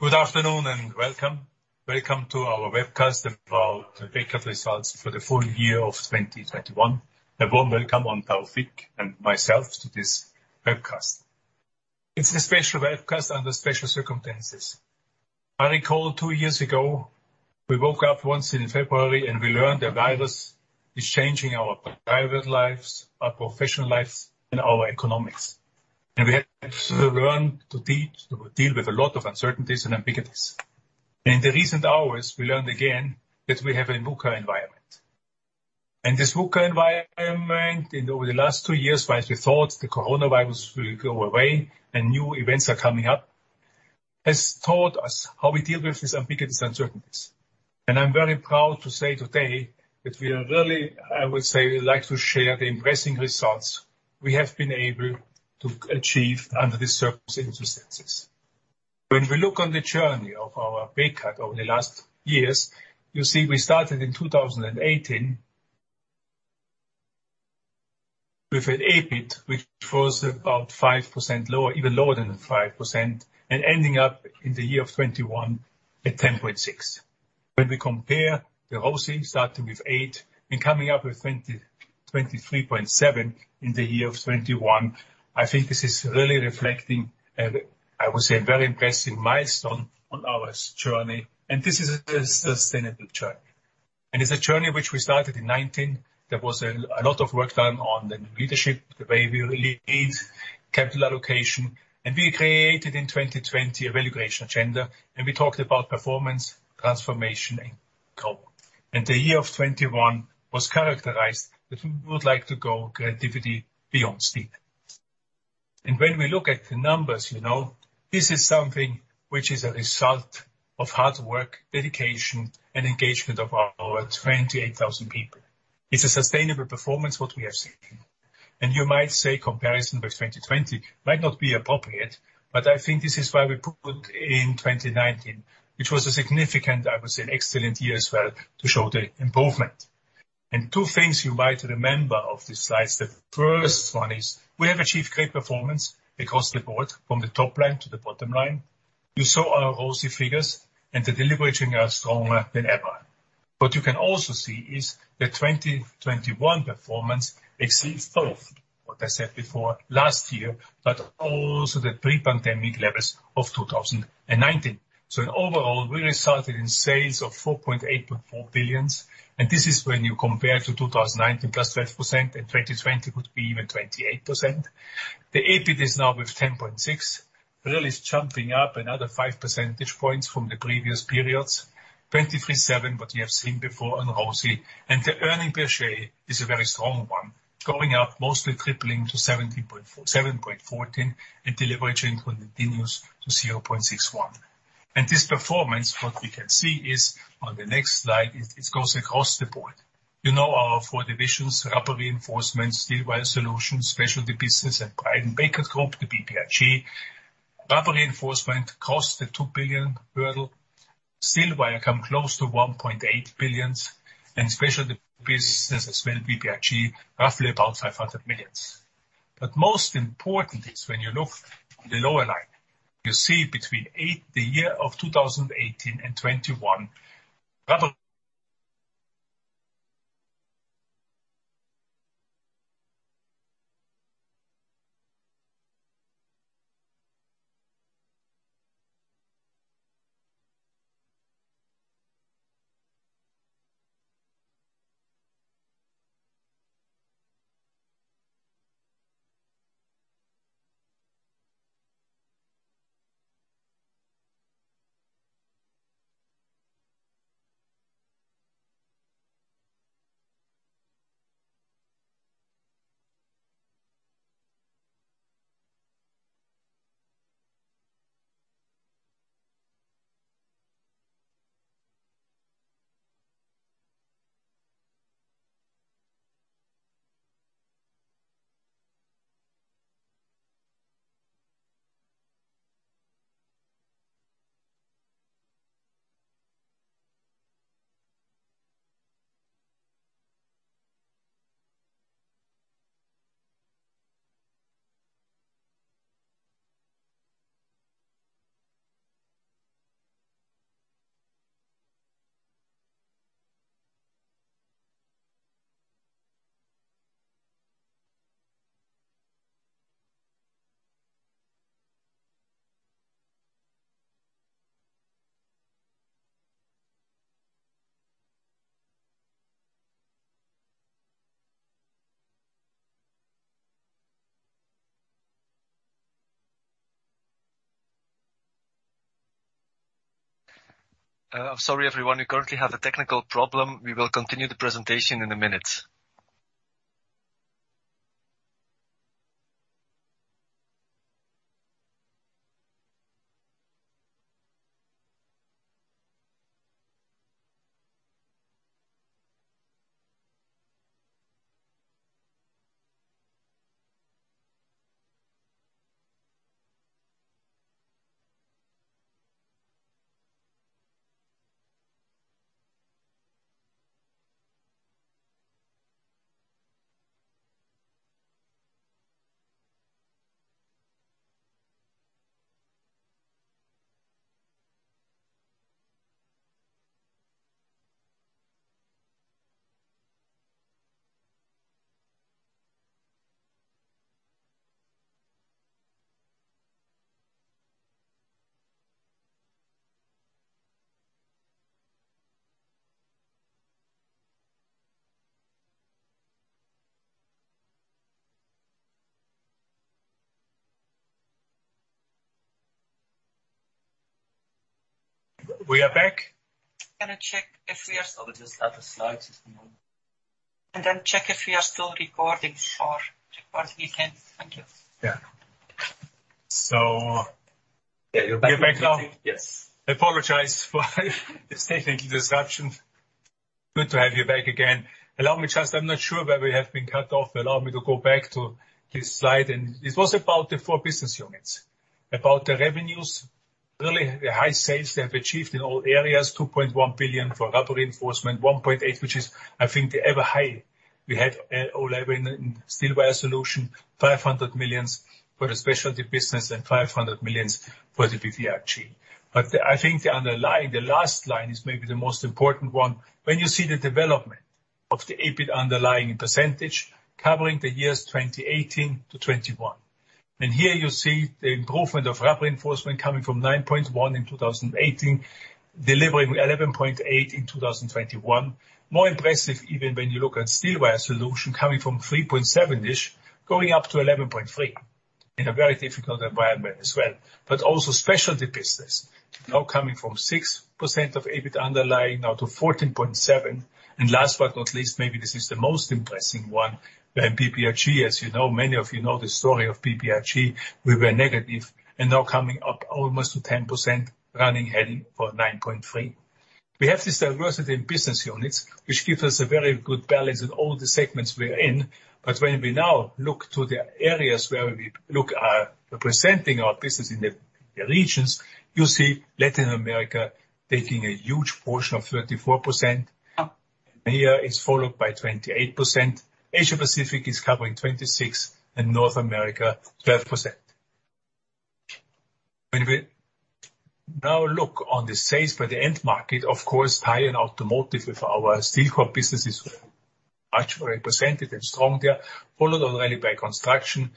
Good afternoon and welcome. Welcome to our webcast about the Bekaert results for the full year of 2021. A warm welcome to Taoufiq and myself to this webcast. It's a special webcast under special circumstances. I recall two years ago, we woke up once in February, and we learned the virus is changing our private lives, our professional lives, and our economies. We had to learn to deal with a lot of uncertainties and ambiguities. In the recent hours, we learned again that we have a VUCA environment. This VUCA environment in over the last two years, while we thought the coronavirus will go away and new events are coming up, has taught us how we deal with these ambiguities and uncertainties. I'm very proud to say today that we are really, I would say, we'd like to share the impressive results we have been able to achieve under these circumstances. When we look on the journey of our Bekaert over the last years, you see we started in 2018. With an EBIT which was about 5% lower, even lower than the 5%, and ending up in the year of 2021 at 10.6%. When we compare the ROCE starting with 8% and coming up with 23.7% in the year of 2021, I think this is really reflecting, I would say, a very impressive milestone on our journey, and this is a sustainable journey. It's a journey which we started in 2019. There was a lot of work done on the leadership, the way we lead capital allocation. We created in 2020 a valuation agenda, and we talked about performance, transformation, and co. The year of 2021 was characterized that we would like to go creativity beyond steep. When we look at the numbers, you know, this is something which is a result of hard work, dedication, and engagement of our 28,000 people. It's a sustainable performance, what we have seen. You might say comparison with 2020 might not be appropriate, but I think this is why we put in 2019, which was a significant, I would say, an excellent year as well, to show the improvement. Two things you might remember of these slides. The first one is we have achieved great performance across the board from the top line to the bottom line. You saw our ROCE figures and the deleveraging are stronger than ever. What you can also see is the 2021 performance exceeds both what I said before last year, but also the pre-pandemic levels of 2019. In overall, we resulted in sales of 4.84 billion, and this is when you compare to 2019 +12% and 2020 would be even 28%. The EBIT is now with 10.6%, really jumping up another 5 percentage points from the previous periods. 23.7%, what you have seen before on ROCE. The earnings per share is a very strong one, going up mostly tripling to 7.14, and deleveraging continues to 0.61. This performance, what we can see is on the next slide, it goes across the board. You know our four divisions, Rebar Reinforcement, Steel Wire Solutions, Specialty Businesses, and Bridon-Bekaert Group, the BBRG. Rebar Reinforcement costs the 2 billion. Steel Wire come close to 1.8 billion, and Specialty Businesses as well, BBRG, roughly about 500 million. Most important is when you look on the lower line, you see between 2018 and 2021, Rebar- Sorry everyone, we currently have a technical problem. We will continue the presentation in a minute. We are back. Yes, I will just add the slides just a moment. Then check if we are still recording or record again. Thank you. Yeah. Yeah, you're back. We're back now? Yes. I apologize for the technical disruptions. Good to have you back again. Allow me to go back to this slide. This was about the four business units, about the revenues. Really high sales they have achieved in all areas, 2.1 billion for Rubber Reinforcement, 1.1 billion which is, I think the all-time high we had in Steel Wire Solutions, 500 million for the Specialty Businesses, and 500 million for the BBRG. I think the underlying, the last line is maybe the most important one. When you see the development of the EBIT underlying percentage covering the years 2018 to 2021. Here you see the improvement of Rubber Reinforcement coming from 9.1% in 2018, delivering 11.8% in 2021. More impressive even when you look at Steel Wire Solutions coming from 3.7-ish, going up to 11.3 in a very difficult environment as well. Also Specialty Businesses now coming from 6% of EBIT underlying now to 14.7. Last but not least, maybe this is the most impressive one, BBRG. As you know, many of you know the story of BBRG. We were negative and now coming up almost to 10% running, heading for 9.3. We have this diversity in business units, which gives us a very good balance in all the segments we are in. When we now look to the areas where we look at representing our business in the regions, you see Latin America taking a huge portion of 34%. Here it's followed by 28%. Asia-Pacific is covering 26%, and North America, 12%. When we now look on the sales for the end market, of course, high in automotive with our steel cord business is much well represented and strong there. Followed already by construction,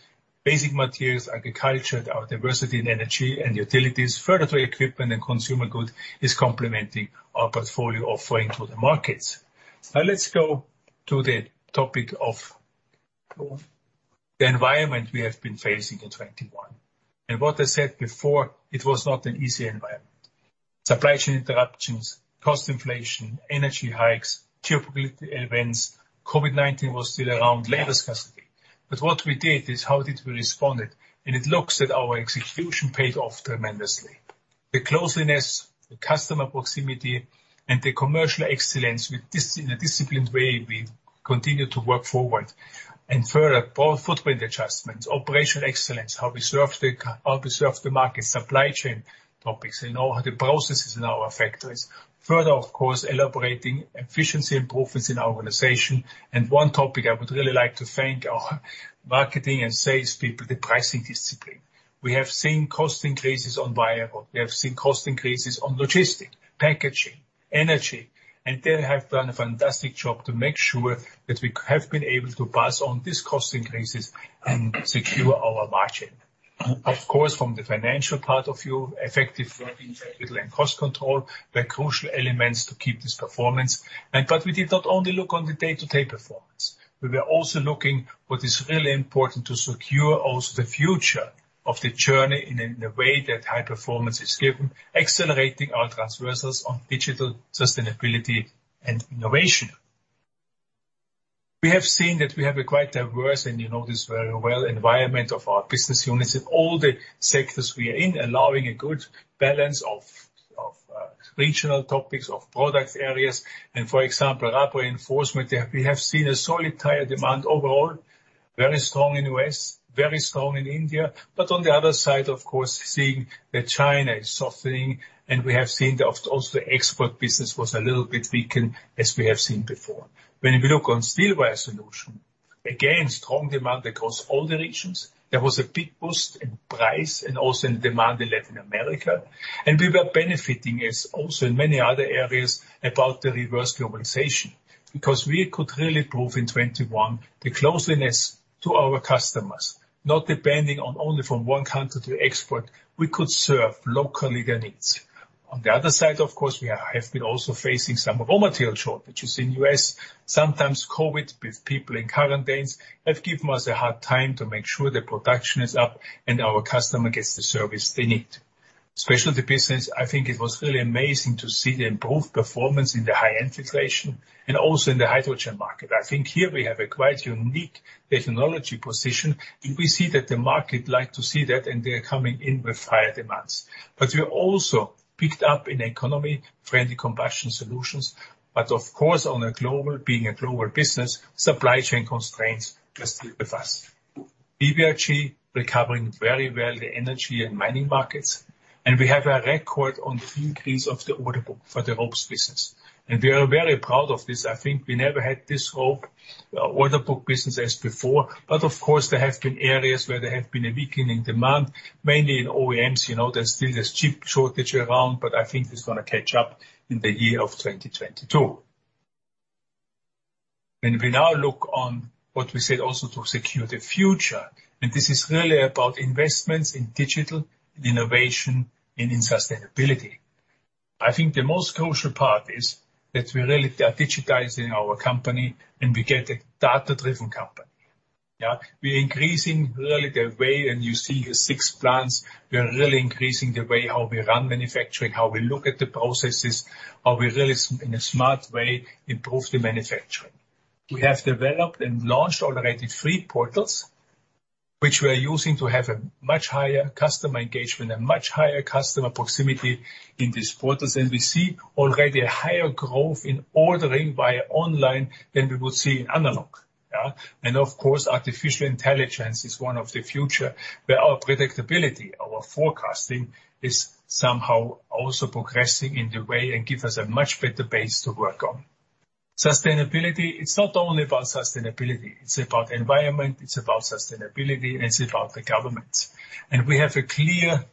basic materials, agriculture, our diversity in energy and utilities, further to equipment and consumer goods is complementing our portfolio offering to the markets. Now let's go to the topic of the environment we have been facing in 2021. What I said before, it was not an easy environment. Supply chain interruptions, cost inflation, energy hikes, geopolitical events, COVID-19 was still around, labor scarcity. What we did is how we responded, and it looks that our execution paid off tremendously. The closeness, the customer proximity, and the commercial excellence with discipline in a disciplined way, we continue to work forward. Further, our footprint adjustments, operational excellence, how we serve the market, supply chain topics, and all the processes in our factories. Further, of course, elaborating efficiency improvements in our organization. One topic I would really like to thank our marketing and sales people, the pricing discipline. We have seen cost increases on variable, logistic, packaging, energy, and they have done a fantastic job to make sure that we have been able to pass on these cost increases and secure our margin. Of course, from the financial point of view, effective working capital and cost control were crucial elements to keep this performance. We did not only look on the day-to-day performance, we were also looking what is really important to secure also the future of the journey in a way that high performance is given, accelerating our transversals on digital sustainability and innovation. We have seen that we have a quite diverse, and you know this very well, environment of our business units in all the sectors we are in, allowing a good balance of regional topics, of product areas. For example, Rubber Reinforcement, we have seen a solid tire demand overall, very strong in U.S., very strong in India. On the other side, of course, seeing that China is softening, and we have seen also export business was a little bit weakened as we have seen before. When we look on Steel Wire Solutions, again, strong demand across all the regions. There was a big boost in price and also in demand in Latin America. We were benefiting as also in many other areas about the reverse globalization, because we could really prove in 2021 the closeness to our customers. Not depending on only from one country to export, we could serve locally their needs. On the other side, of course, we have been also facing some raw material shortages in U.S. Sometimes COVID with people in quarantines have given us a hard time to make sure the production is up and our customer gets the service they need. Specialty Businesses, I think it was really amazing to see the improved performance in the high-end filtration and also in the hydrogen market. I think here we have a quite unique technology position, and we see that the market like to see that and they are coming in with higher demands. We also picked up in eco-friendly combustion solutions, but of course on a global, being a global business, supply chain constraints are still with us. BBRG recovering very well, the energy and mining markets. We have a record increase of the order book for the ropes business. We are very proud of this. I think we never had this rope order book business as before. Of course, there have been areas where there have been a weakening demand, mainly in OEMs. You know, there's still this chip shortage around, but I think it's gonna catch up in the year of 2022. When we now look on what we said also to secure the future, and this is really about investments in digital innovation and in sustainability. I think the most crucial part is that we really are digitizing our company, and we get a data-driven company. Yeah. We're increasing really the way, and you see here six plants, we are really increasing the way how we run manufacturing, how we look at the processes, how we really, in a smart way, improve the manufacturing. We have developed and launched already three portals, which we are using to have a much higher customer engagement and much higher customer proximity in these portals. We see already a higher growth in ordering via online than we would see in analog, yeah. Of course, artificial intelligence is one of the future, where our predictability, our forecasting is somehow also progressing in the way and give us a much better base to work on. Sustainability, it's not only about sustainability, it's about environment, it's about sustainability, and it's about the government. We have a clear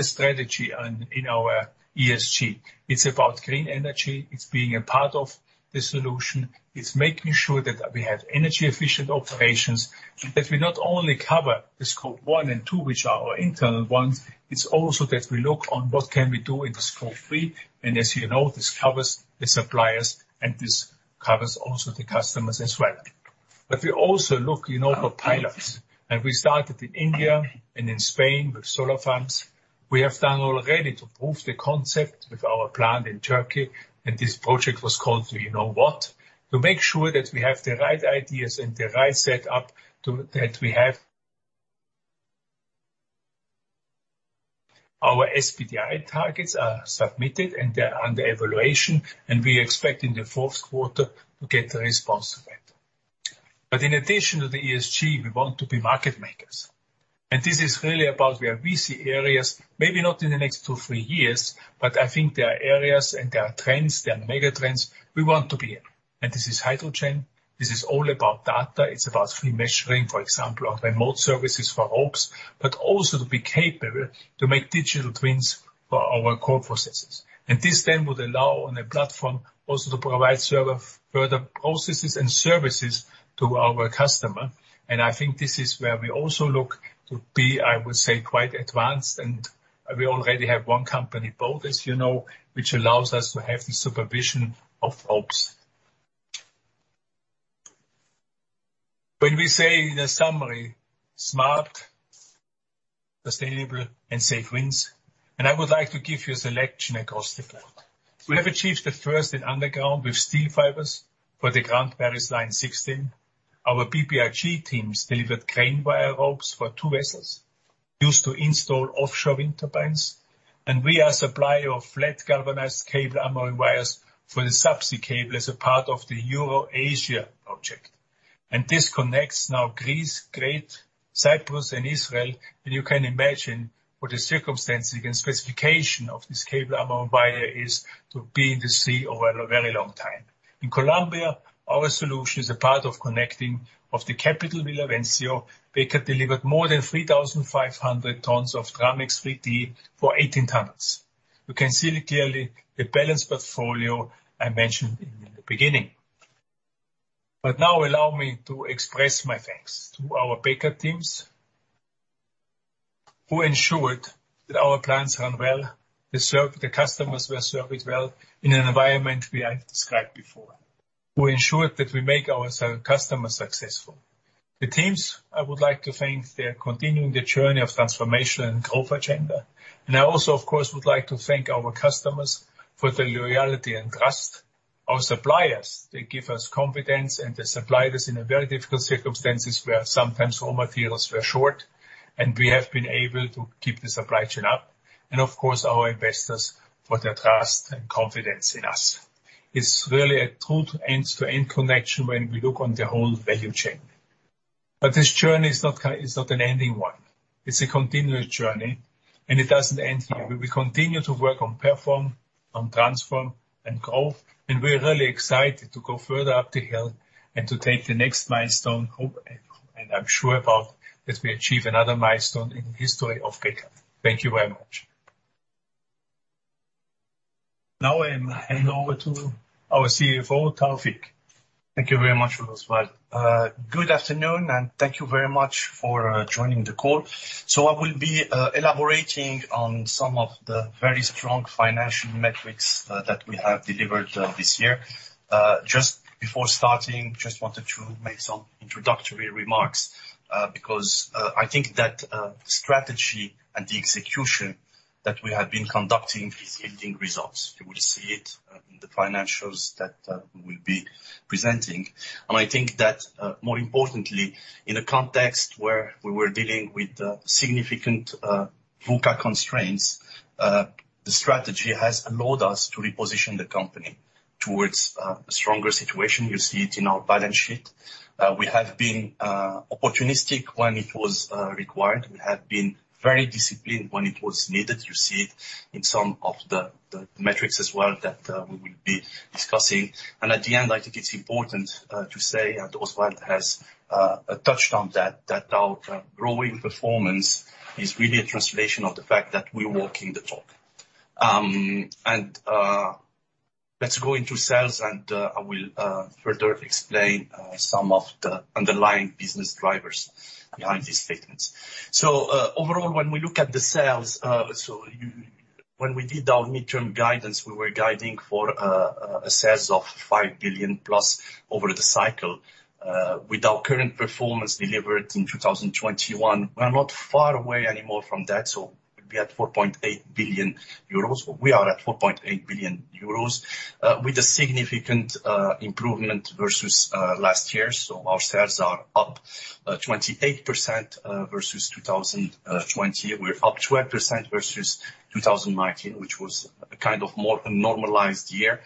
strategy on, in our ESG. It's about green energy. It's being a part of the solution. It's making sure that we have energy-efficient operations, and that we not only cover the Scope 1 and 2, which are our internal ones, it's also that we look on what can we do in the Scope 3. As you know, this covers the suppliers, and this covers also the customers as well. We also look, you know, for pilots. We started in India and in Spain with solar farms. We have done already to prove the concept with our plant in Turkey, and this project was called We Know What, to make sure that we have the right ideas and the right set up. Our SBTi targets are submitted, and they're under evaluation. We expect in the fourth quarter to get a response to that. In addition to the ESG, we want to be market makers. This is really about where we see areas, maybe not in the next two, three years, but I think there are areas and there are trends, there are mega trends we want to be in. This is hydrogen, this is all about data. It's about pre-measuring, for example, on remote services for ropes, but also to be capable to make digital twins for our core processes. This then would allow on a platform also to provide services, further processes and services to our customer. I think this is where we also look to be, I would say, quite advanced, and we already have one company, bold, as you know, which allows us to have the supervision of ropes. When we say in the summary, smart, sustainable, and safe wins, and I would like to give you a selection across the board. We have achieved the first in underground with steel fibers for the Grand Paris Line 16. Our BBRG teams delivered crane wire ropes for two vessels used to install offshore wind turbines. We are supplier of flat galvanized cable armoring wires for the subsea cable as a part of the EuroAsia project. This connects now Greece, Crete, Cyprus, and Israel, and you can imagine what the circumstances and specifications of this cable armoring wire is to be in the sea over a very long time. In Colombia, our solution is a part of the connection to the capital Villavicencio. Bekaert delivered more than 3,500 tons of Dramix 3D for 18 tunnels. You can see clearly the balanced portfolio I mentioned in the beginning. Now allow me to express my thanks to our Bekaert teams who ensured that our plants run well, they served the customers well in an environment we have described before, who ensured that we make our customers successful. The teams I would like to thank, they're continuing the journey of transformation and growth agenda. I also, of course, would like to thank our customers for the loyalty and trust. Our suppliers, they give us confidence, and they supply us in a very difficult circumstances where sometimes raw materials were short, and we have been able to keep the supply chain up. Of course, our investors for their trust and confidence in us. It's really a true end-to-end connection when we look on the whole value chain. This journey is not an ending one. It's a continuous journey, and it doesn't end here. We will continue to work on performance, on transformation, and growth, and we're really excited to go further up the hill and to take the next milestone. I hope and I'm sure that we achieve another milestone in the history of Bekaert. Thank you very much. Now I am handing over to our CFO, Taoufiq. Thank you very much, Oswald. Good afternoon, and thank you very much for joining the call. I will be elaborating on some of the very strong financial metrics that we have delivered this year. Just before starting, I just wanted to make some introductory remarks because I think that strategy and the execution that we have been conducting is yielding results. You will see it in the financials that we'll be presenting. I think that more importantly, in a context where we were dealing with significant VUCA constraints, the strategy has allowed us to reposition the company towards a stronger situation. You see it in our balance sheet. We have been opportunistic when it was required. We have been very disciplined when it was needed. You see it in some of the metrics as well that we will be discussing. At the end, I think it's important to say, and Oswald has touched on that our growing performance is really a translation of the fact that we're walking the talk. Let's go into sales, and I will further explain some of the underlying business drivers behind these statements. Overall, when we look at the sales, when we did our midterm guidance, we were guiding for sales of 5 billion+ over the cycle. With our current performance delivered in 2021, we are not far away anymore from that, so we'll be at 4.8 billion euros. We are at 4.8 billion euros with a significant improvement versus last year. Our sales are up 28% versus 2020. We're up 12% versus 2019, which was a kind of more a normalized year.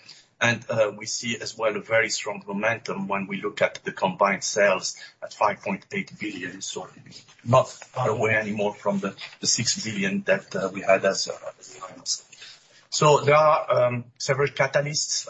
We see as well a very strong momentum when we look at the combined sales at 5.8 billion, so not far away anymore from the 6 billion that we had as guidance. There are several catalysts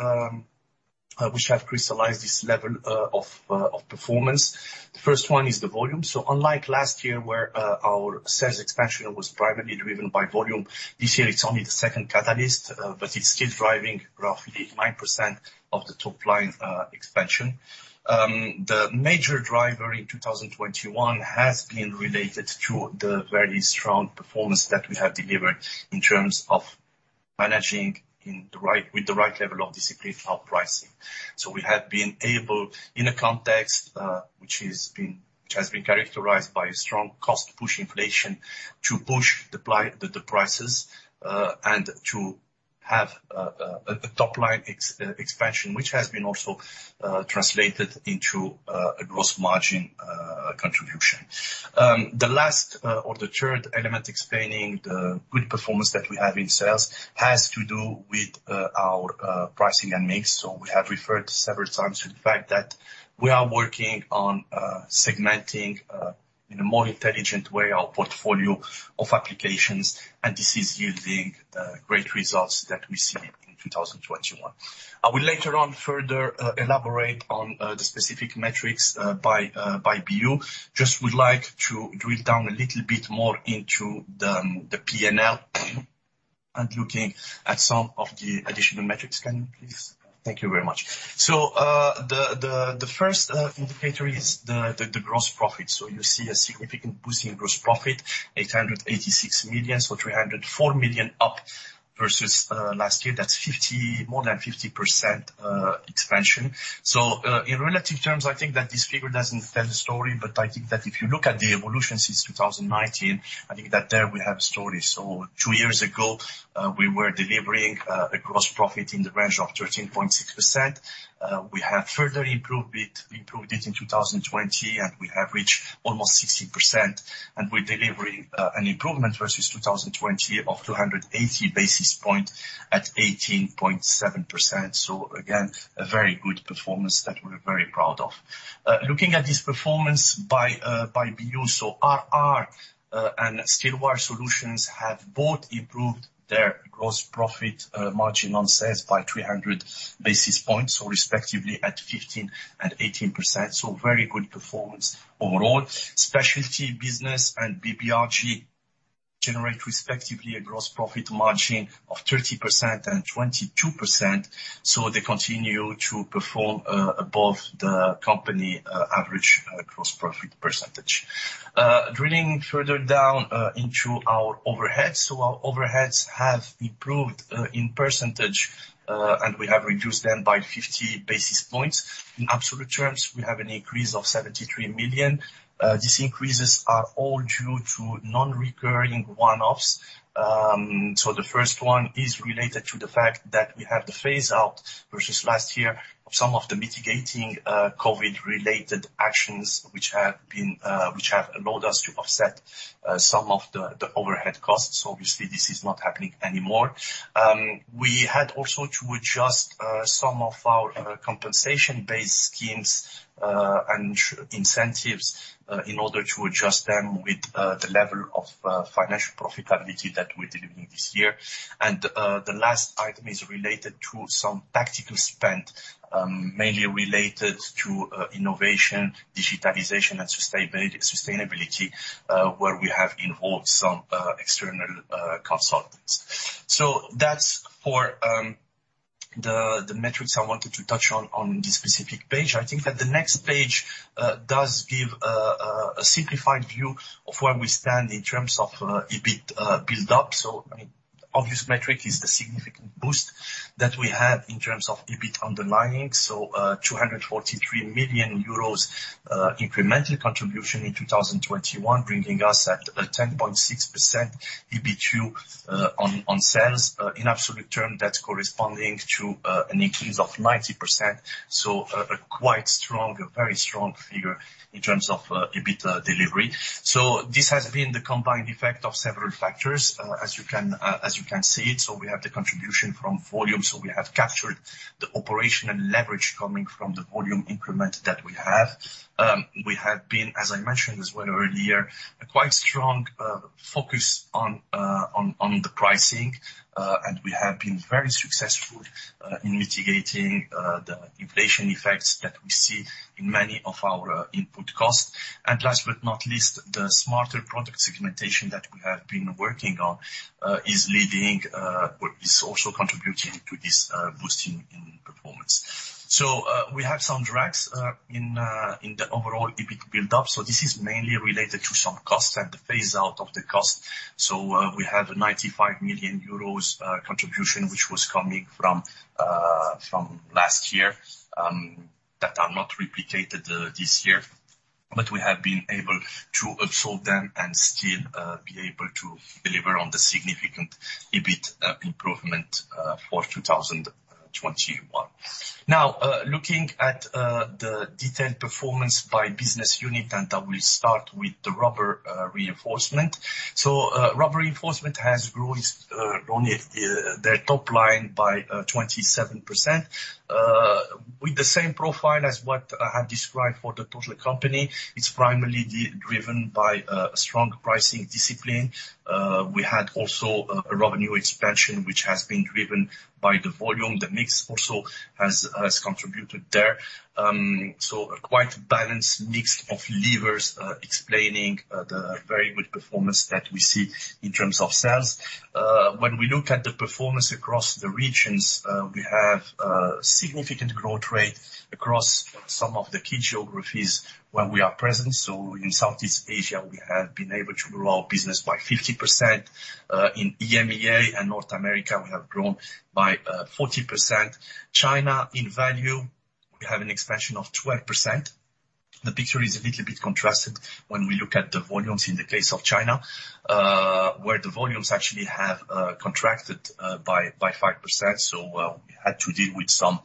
which have crystallized this level of performance. The first one is the volume. Unlike last year, where our sales expansion was primarily driven by volume, this year it's only the second catalyst, but it's still driving roughly 9% of the top line expansion. The major driver in 2021 has been related to the very strong performance that we have delivered in terms of managing with the right level of discipline of pricing. We have been able, in a context which has been characterized by strong cost push inflation, to push the prices and to have a top line expansion, which has been also translated into a gross margin contribution. The last or the third element explaining the good performance that we have in sales has to do with our pricing and mix. We have referred several times to the fact that we are working on segmenting in a more intelligent way our portfolio of applications, and this is yielding great results that we see in 2021. I will later on further elaborate on the specific metrics by BU. Just would like to drill down a little bit more into the P&L and looking at some of the additional metrics. Can you please? Thank you very much. The first indicator is the gross profit. You see a significant boost in gross profit, 886 million, so 304 million up versus last year. That's more than 50% expansion. In relative terms, I think that this figure doesn't tell the story, but I think that if you look at the evolution since 2019, I think that there we have story. Two years ago, we were delivering a gross profit in the range of 13.6%. We have further improved it in 2020, and we have reached almost 16%. We're delivering an improvement versus 2020 of 280 basis points at 18.7%. Again, a very good performance that we're very proud of. Looking at this performance by BU, RR and Steel Wire Solutions have both improved their gross profit margin on sales by 300 basis points, respectively at 15% and 18%. Very good performance overall. Specialty Businesses and BBRG generate respectively a gross profit margin of 30% and 22%, so they continue to perform above the company average gross profit percentage. Drilling further down into our overheads. Our overheads have improved in percentage and we have reduced them by 50 basis points. In absolute terms, we have an increase of 73 million. These increases are all due to non-recurring one-offs. The first one is related to the fact that we have the phase out versus last year of some of the mitigating COVID-related actions which have allowed us to offset some of the overhead costs. Obviously, this is not happening anymore. We had also to adjust some of our compensation-based schemes and incentives in order to adjust them with the level of financial profitability that we're delivering this year. The last item is related to some tactical spend, mainly related to innovation, digitalization, and sustainability, where we have involved some external consultants. That's for the metrics I wanted to touch on on this specific page. I think that the next page does give a simplified view of where we stand in terms of EBIT build up. Obvious metric is the significant boost that we have in terms of underlying EBIT. 243 million euros incremental contribution in 2021, bringing us at a 10.6% EBITDA on sales. In absolute terms, that's corresponding to an increase of 90%. A quite strong, very strong figure in terms of EBITDA delivery. This has been the combined effect of several factors, as you can see it. We have the contribution from volume. We have captured the operational leverage coming from the volume increment that we have. We have been, as I mentioned as well earlier, a quite strong focus on the pricing. And we have been very successful in mitigating the inflation effects that we see in many of our input costs. Last but not least, the smarter product segmentation that we have been working on is leading or is also contributing to this boosting in performance. We have some drags in the overall EBIT buildup. This is mainly related to some costs and the phase out of the cost. We have a 95 million euros contribution which was coming from last year that are not replicated this year. We have been able to absorb them and still be able to deliver on the significant EBIT improvement for 2021. Now, looking at the detailed performance by business unit, I will start with the Rubber Reinforcement. Rubber Reinforcement has grown their top line by 27%. With the same profile as what I described for the total company. It's primarily driven by strong pricing discipline. We had also a revenue expansion which has been driven by the volume. The mix also has contributed there. A quite balanced mix of levers explaining the very good performance that we see in terms of sales. When we look at the performance across the regions, we have significant growth rate across some of the key geographies where we are present. In Southeast Asia, we have been able to grow our business by 50%. In EMEA and North America, we have grown by 40%. China in value, we have an expansion of 12%. The picture is a little bit contrasted when we look at the volumes in the case of China, where the volumes actually have contracted by 5%. We had to deal with some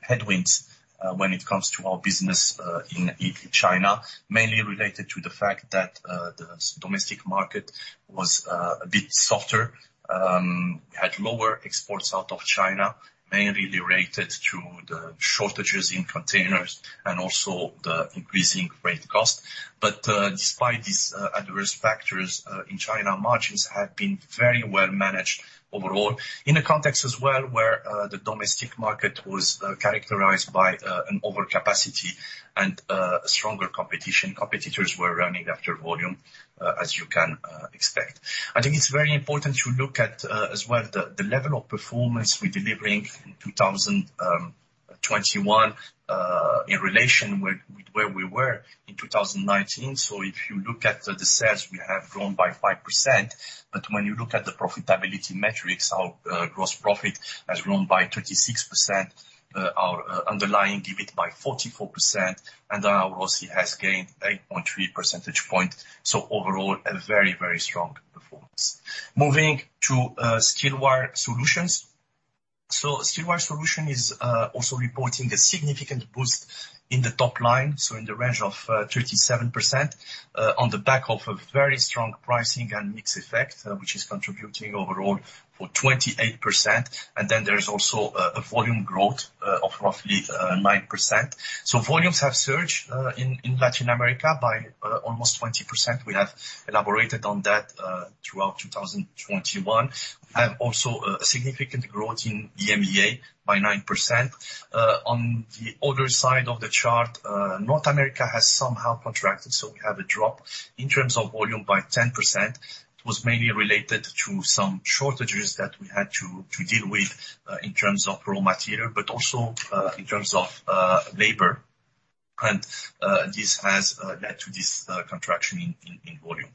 headwinds when it comes to our business in China. Mainly related to the fact that the domestic market was a bit softer and had lower exports out of China, mainly related to the shortages in containers and also the increasing freight cost. Despite these adverse factors in China, margins have been very well managed overall. In a context as well where the domestic market was characterized by an overcapacity and a stronger competition. Competitors were running after volume as you can expect. I think it's very important to look at, as well the level of performance we're delivering in 2021, in relation with where we were in 2019. If you look at the sales, we have grown by 5%. When you look at the profitability metrics, our gross profit has grown by 36%, our underlying EBIT by 44%, and our ROCE has gained 8.3 percentage points. Overall, a very, very strong performance. Moving to Steel Wire Solutions. Steel Wire Solutions is also reporting a significant boost in the top line, so in the range of 37%, on the back of a very strong pricing and mix effect, which is contributing overall for 28%. There's also a volume growth of roughly 9%. Volumes have surged in Latin America by almost 20%. We have elaborated on that throughout 2021. Also a significant growth in EMEA by 9%. On the other side of the chart, North America has somehow contracted, so we have a drop in volume of 10%. It was mainly related to some shortages that we had to deal with in terms of raw material, but also in terms of labor. This has led to this contraction in volume.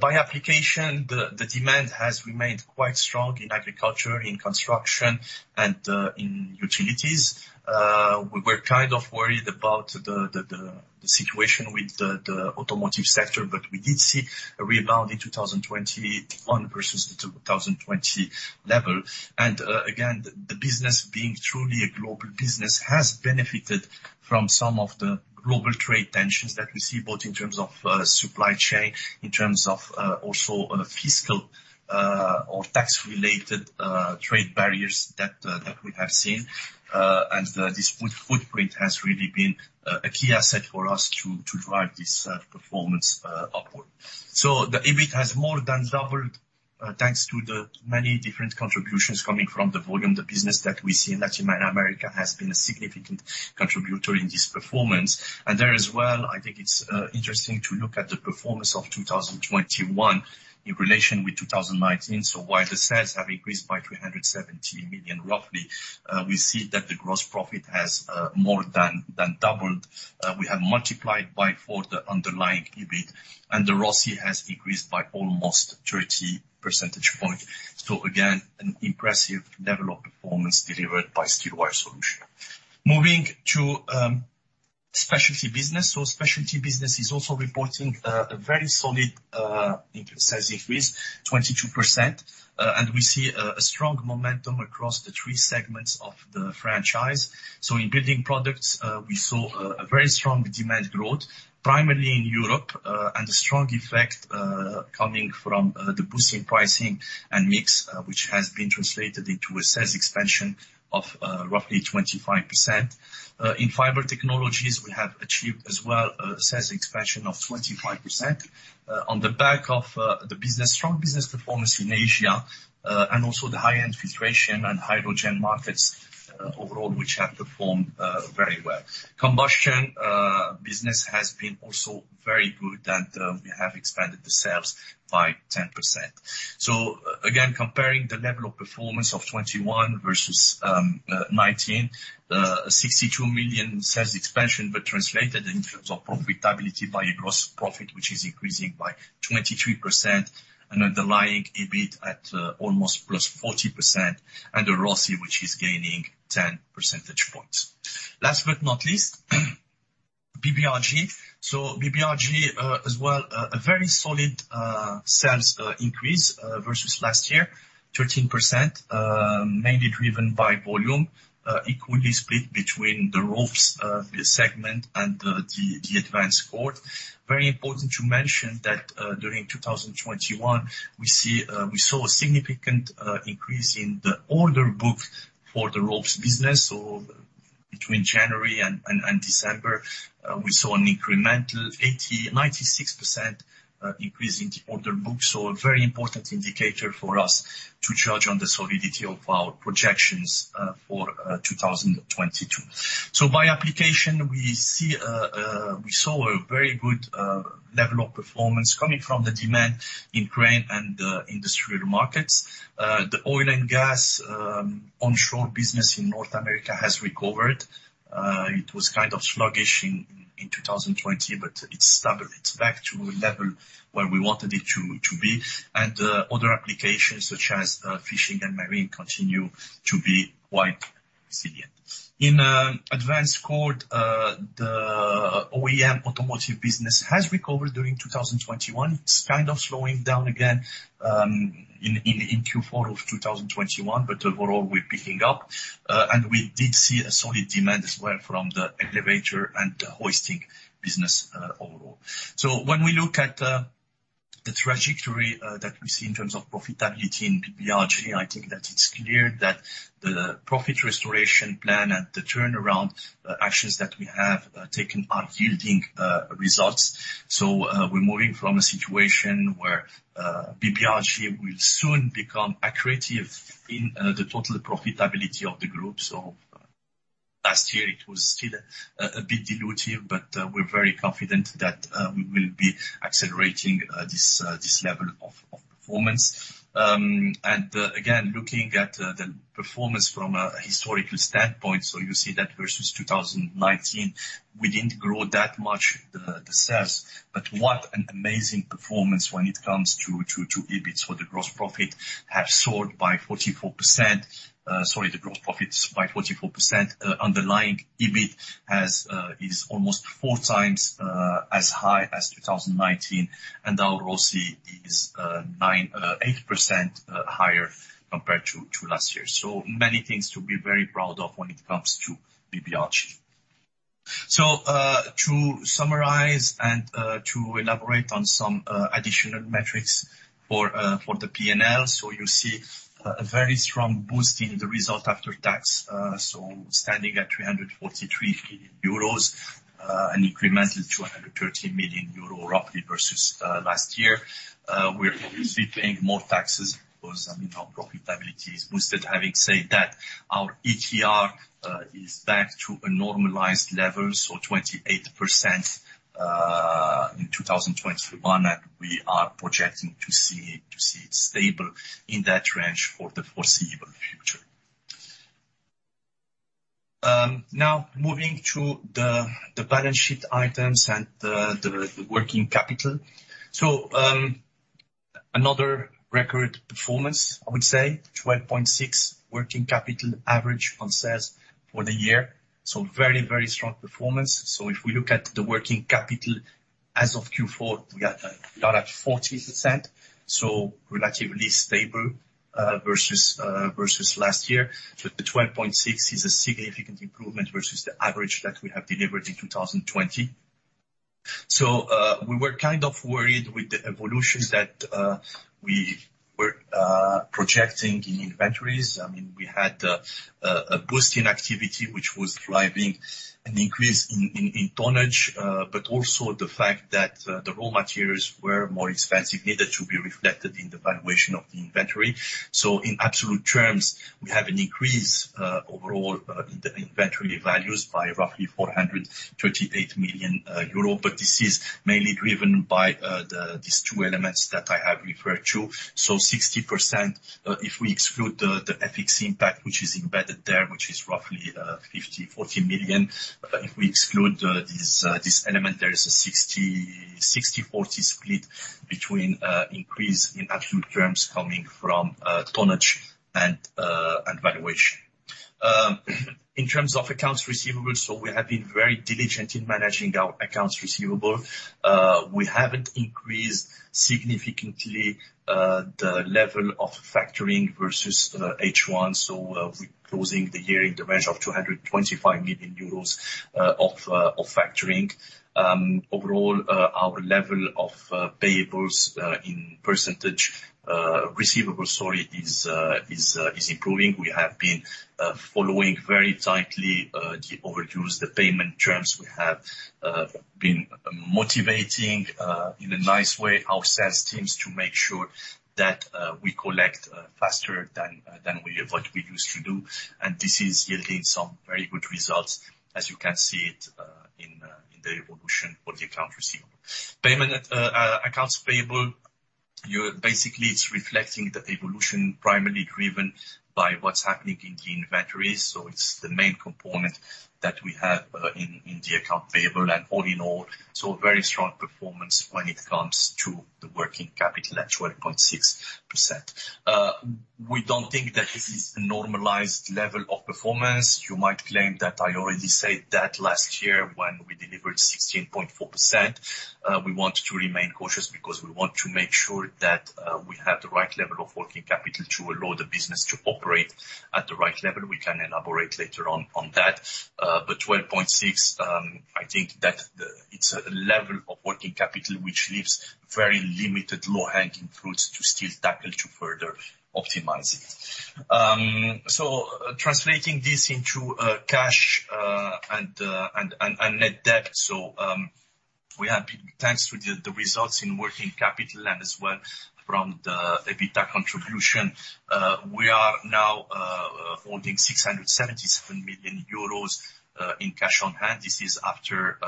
By application, the demand has remained quite strong in agriculture, in construction, and in utilities. We were kind of worried about the situation with the automotive sector, but we did see a rebound in 2021 versus the 2020 level. Again, the business being truly a global business has benefited from some of the global trade tensions that we see, both in terms of supply chain, in terms of also fiscal or tax-related trade barriers that we have seen. The diverse footprint has really been a key asset for us to drive this performance upward. The EBIT has more than doubled thanks to the many different contributions coming from the volume. The business that we see in Latin America has been a significant contributor in this performance. There as well, I think it's interesting to look at the performance of 2021 in relation with 2019. While the sales have increased by 370 million roughly, we see that the gross profit has more than doubled. We have multiplied by four the underlying EBIT, and the ROCE has increased by almost 30 percentage points. Again, an impressive level of performance delivered by Steel Wire Solutions. Moving to Specialty Businesses. Specialty Businesses is also reporting a very solid in-sales increase, 22%. We see a strong momentum across the three segments of the franchise. In building products, we saw a very strong demand growth, primarily in Europe, and a strong effect coming from the boosting pricing and mix, which has been translated into a sales expansion of roughly 25%. In fiber technologies, we have achieved as well a sales expansion of 25% on the back of the strong business performance in Asia, and also the high-end filtration and hydrogen markets overall, which have performed very well. Combustion business has been also very good, and we have expanded the sales by 10%. Again, comparing the level of performance of 2021 versus 2019, 62 million sales expansion were translated in terms of profitability by a gross profit, which is increasing by 23% and underlying EBIT at almost +40% and a ROCE which is gaining 10 percentage points. Last but not least, BBRG. BBRG, as well, a very solid sales increase versus last year, 13%, mainly driven by volume, equally split between the ropes segment and the advanced cord. Very important to mention that during 2021, we saw a significant increase in the order book for the ropes business. Between January and December, we saw an incremental 96% increase in the order book. A very important indicator for us to judge on the solidity of our projections for 2022. By application, we see we saw a very good level of performance coming from the demand in crane and industrial markets. The oil and gas onshore business in North America has recovered. It was kind of sluggish in 2020, but it's stubborn. It's back to a level where we wanted it to be. Other applications, such as fishing and marine, continue to be quite resilient. In advanced cord, the OEM automotive business has recovered during 2021. It's kind of slowing down again in Q4 of 2021, but overall, we're picking up. We did see a solid demand as well from the elevator and the hoisting business, overall. When we look at the trajectory that we see in terms of profitability in BBRG, I think that it's clear that the profit restoration plan and the turnaround actions that we have taken are yielding results. We're moving from a situation where BBRG will soon become accretive in the total profitability of the group. Last year, it was still a bit dilutive, but we're very confident that we will be accelerating this level of performance. Again, looking at the performance from a historical standpoint, you see that versus 2019, we didn't grow that much the sales, but what an amazing performance when it comes to to EBIT for the gross profit have soared by 44%. Sorry, the gross profits by 44%. Underlying EBIT is almost four times as high as 2019, and our ROCE is 98% higher compared to last year. Many things to be very proud of when it comes to BBRG. To summarize and to elaborate on some additional metrics for the P&L. You see a very strong boost in the result after tax. Standing at 343 million euros, an incremental 213 million euro roughly versus last year. We're obviously paying more taxes because, I mean, our profitability is boosted. Having said that, our ETR is back to a normalized level, so 28% in 2021, and we are projecting to see it stable in that range for the foreseeable future. Now moving to the balance sheet items and the working capital. Another record performance, I would say. 12.6% working capital average on sales for the year. Very, very strong performance. If we look at the working capital as of Q4, we are at 40%, so relatively stable versus last year. The 12.6 is a significant improvement versus the average that we have delivered in 2020. We were kind of worried with the evolution that we were projecting in inventories. I mean, we had a boost in activity, which was driving an increase in tonnage, but also the fact that the raw materials were more expensive, needed to be reflected in the valuation of the inventory. In absolute terms, we have an increase overall in the inventory values by roughly 438 million euro. But this is mainly driven by these two elements that I have referred to. 60%, if we exclude the FX impact, which is embedded there, which is roughly 54 million. If we exclude this element, there is a 60/40 split between increase in absolute terms coming from tonnage. In terms of accounts receivable, we have been very diligent in managing our accounts receivable. We haven't increased significantly the level of factoring versus H1, so we're closing the year in the range of 225 million euros of factoring. Overall, our level of payables in percentage—receivables, sorry—is improving. We have been following very tightly the overdues, the payment terms. We have been motivating in a nice way our sales teams to make sure that we collect faster than what we used to do. This is yielding some very good results as you can see in the evolution of the accounts receivable, payments, accounts payable. You're basically reflecting the evolution primarily driven by what's happening in the inventories. It's the main component that we have in the accounts payable. All in all, a very strong performance when it comes to the working capital at 12.6%. We don't think that this is the normalized level of performance. You might claim that I already said that last year when we delivered 16.4%. We want to remain cautious because we want to make sure that we have the right level of working capital to allow the business to operate at the right level. We can elaborate later on that. But 12.6%, I think that it's a level of working capital which leaves very limited low-hanging fruits to still tackle to further optimize it. Translating this into cash and net debt. Thanks to the results in working capital and as well from the EBITDA contribution, we are now holding 677 million euros in cash on hand. This is after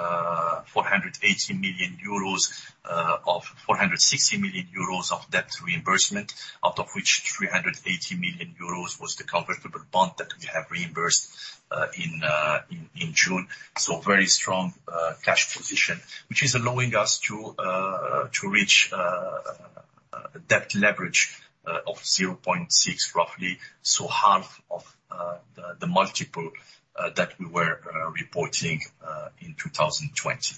480 million euros of 460 million euros of debt reimbursement, out of which 380 million euros was the convertible bond that we have reimbursed in June. Very strong cash position, which is allowing us to reach a debt leverage of 0.6, roughly. Half of the multiple that we were reporting in 2020.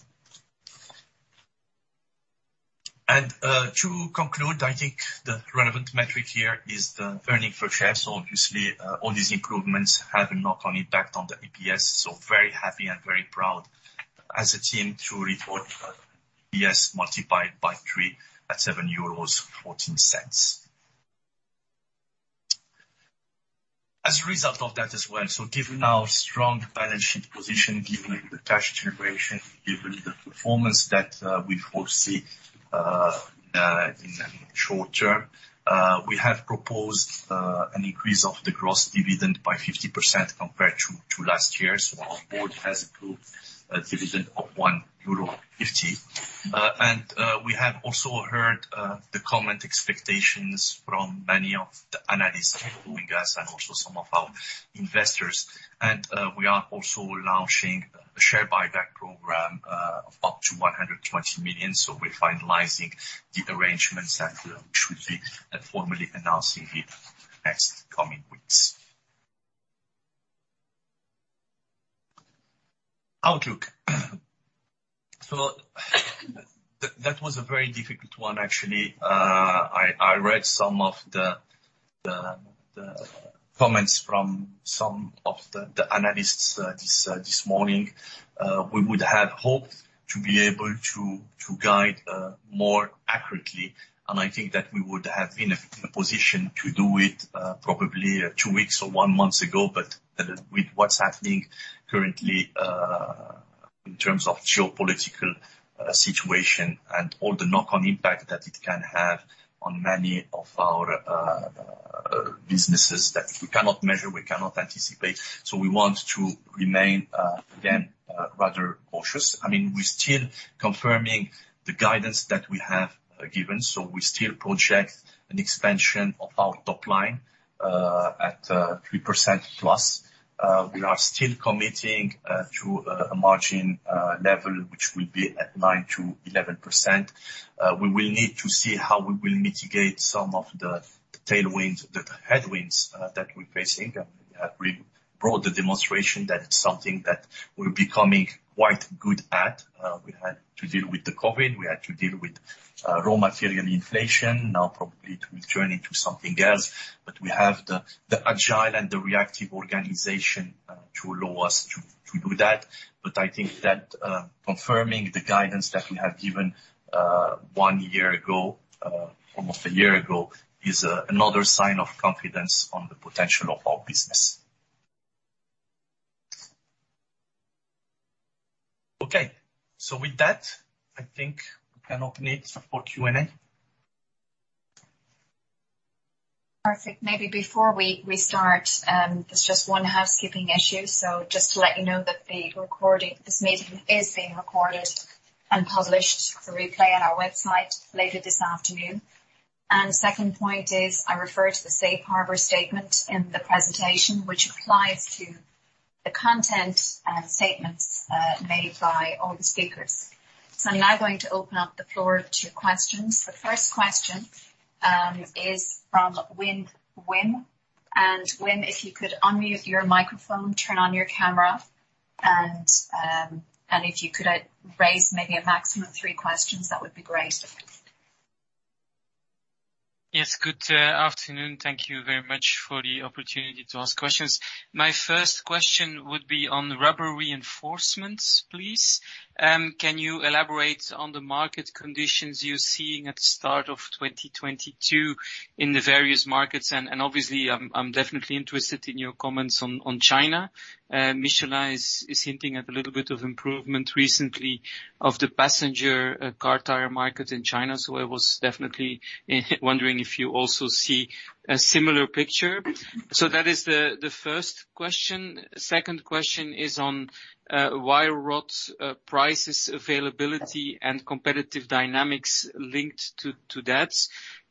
To conclude, I think the relevant metric here is the earnings per share. Obviously, all these improvements have a knock-on impact on the EPS. Very happy and very proud as a team to report EPS multiplied by three at EUR 7.14. As a result of that as well, given our strong balance sheet position, given the cash generation, given the performance that we foresee in the short term, we have proposed an increase of the gross dividend by 50% compared to last year. Our board has approved a dividend of 1.50 euro. We have also heard the commentary expectations from many of the analysts following us and also some of our investors. We are also launching a share buyback program of up to 120 million. We're finalizing the arrangements and should be formally announcing it in the coming weeks. Outlook. That was a very difficult one actually. I read some of the comments from some of the analysts this morning. We would have hoped to be able to guide more accurately, and I think that we would have been in a position to do it probably two weeks or one month ago. With what's happening currently in terms of geopolitical situation and all the knock-on impact that it can have on many of our businesses that we cannot measure, we cannot anticipate. We want to remain again rather cautious. I mean, we're still confirming the guidance that we have given. We still project an expansion of our top line at 3%+. We are still committing to a margin level, which will be at 9%-11%. We will need to see how we will mitigate some of the tailwinds, the headwinds that we're facing. We have really brought the demonstration that it's something that we're becoming quite good at. We had to deal with the COVID, we had to deal with raw material inflation. Now probably it will turn into something else, but we have the agile and the reactive organization to allow us to do that. I think that confirming the guidance that we have given one year ago, almost a year ago, is another sign of confidence on the potential of our business. Okay. With that, I think we can open it for Q&A. Perfect. Maybe before we start, there's just one housekeeping issue. Just to let you know that this meeting is being recorded and published for replay on our website later this afternoon. Second point is, I refer to the safe harbor statement in the presentation, which applies to the content and statements made by all the speakers. I'm now going to open up the floor to questions. The first question is from Wim. Wim, if you could unmute your microphone, turn on your camera, and if you could raise maybe a maximum three questions, that would be great. Yes. Good afternoon. Thank you very much for the opportunity to ask questions. My first question would be on Rubber Reinforcement, please. Can you elaborate on the market conditions you're seeing at the start of 2022 in the various markets? Obviously I'm definitely interested in your comments on China. Michelin is hinting at a little bit of improvement recently of the passenger car tire market in China, so I was definitely wondering if you also see a similar picture. That is the first question. Second question is on wire rod prices availability and competitive dynamics linked to that.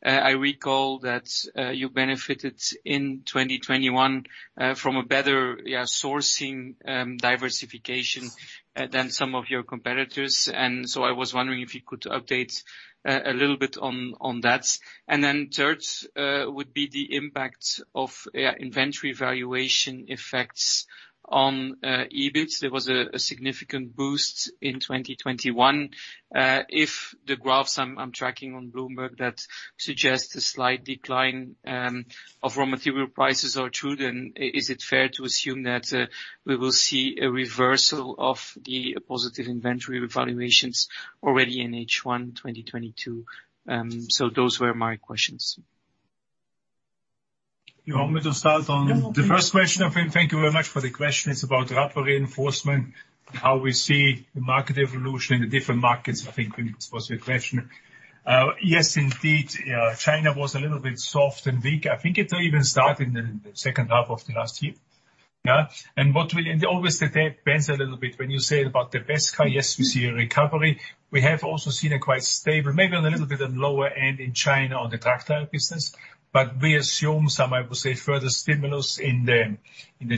I recall that you benefited in 2021 from a better sourcing diversification than some of your competitors. I was wondering if you could update a little bit on that. Third, would be the impact of inventory valuation effects on EBIT. There was a significant boost in 2021. If the graphs I'm tracking on Bloomberg that suggests a slight decline of raw material prices are true, then is it fair to assume that we will see a reversal of the positive inventory valuations already in H1 2022? Those were my questions. You want me to start on the first question? Yeah. Thank you very much for the question. It's about Rubber Reinforcement and how we see the market evolution in the different markets, I think was your question. China was a little bit soft and weak. I think it even started in the second half of the last year. Always the demand bends a little bit. When you say about the best case, yes, we see a recovery. We have also seen a quite stable, maybe on a little bit of lower end in China on the truck tire business. We assume some, I would say, further stimulus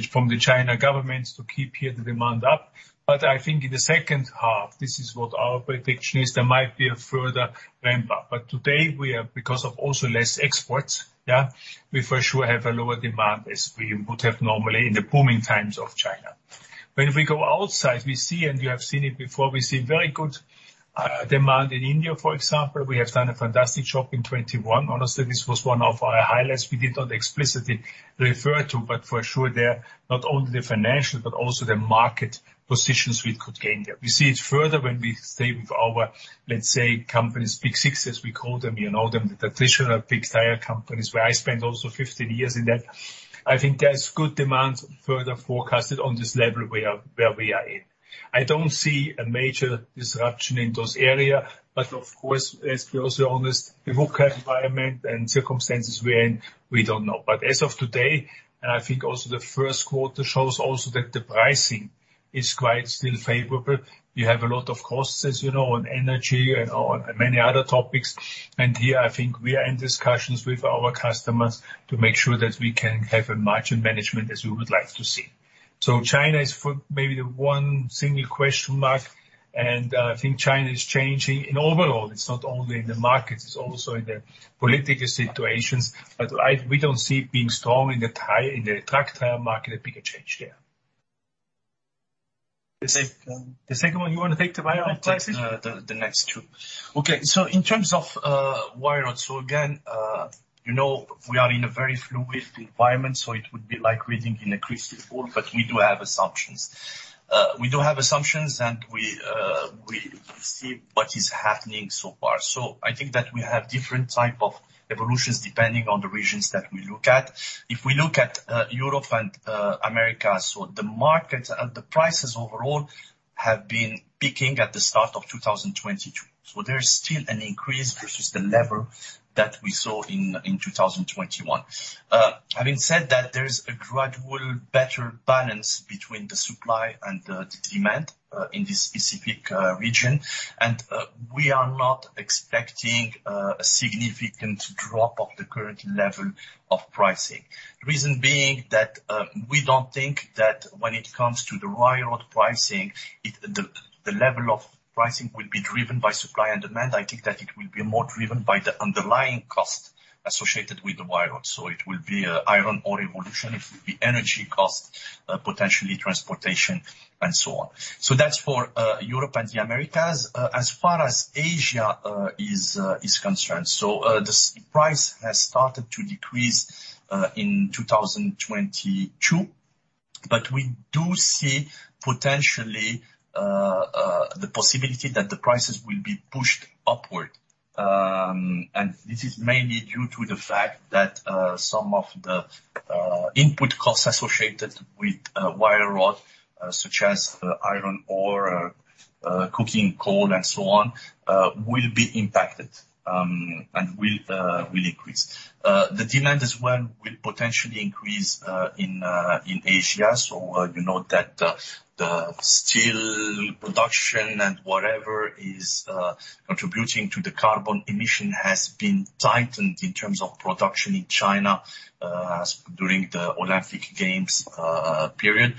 from the China government to keep here the demand up. I think in the second half, this is what our prediction is, there might be a further ramp up. Today we are, because of also less exports, we for sure have a lower demand as we would have normally in the booming times of China. When we go outside, we see, and you have seen it before, we see very good demand in India, for example. We have done a fantastic job in 2021. Honestly, this was one of our highlights we did not explicitly refer to, but for sure they're not only the financial but also the market positions we could gain there. We see it further when we stay with our, let's say, companies, Big Six as we call them. You know them, the traditional big tire companies where I spent also 15 years in that. I think there's good demand further forecasted on this level where we are in. I don't see a major disruption in those areas, but of course, as we are also honest, the macro environment and circumstances we're in, we don't know. As of today, and I think also the first quarter shows also that the pricing is quite still favorable. We have a lot of costs, as you know, on energy and on many other topics. Here, I think we are in discussions with our customers to make sure that we can have a margin management as we would like to see. China is for maybe the one single question mark, and I think China is changing overall. It's not only in the markets, it's also in the political situations. We don't see it being strong in the tire, in the truck tire market, a bigger change there. The sec- The second one, you want to take the wire rod prices? The next two. Okay. In terms of wire rod, again, you know we are in a very fluid environment, so it would be like reading in a crystal ball, but we do have assumptions. We see what is happening so far. I think that we have different type of evolutions depending on the regions that we look at. If we look at Europe and Americas, the markets and the prices overall have been peaking at the start of 2022. There is still an increase versus the level that we saw in 2021. Having said that, there is a gradual better balance between the supply and the demand in this specific region. We are not expecting a significant drop of the current level of pricing. The reason being that, we don't think that when it comes to the wire rod pricing, the level of pricing will be driven by supply and demand. I think that it will be more driven by the underlying cost associated with the wire rod. It will be iron ore evolution, energy cost, potentially transportation and so on. That's for Europe and the Americas. As far as Asia is concerned, the spot price has started to decrease in 2022, but we do see potentially the possibility that the prices will be pushed upward. This is mainly due to the fact that some of the input costs associated with wire rod, such as iron ore, coking coal and so on, will be impacted and will increase. The demand as well will potentially increase in Asia. You know that the steel production and whatever is contributing to the carbon emission has been tightened in terms of production in China as during the Olympic Games period.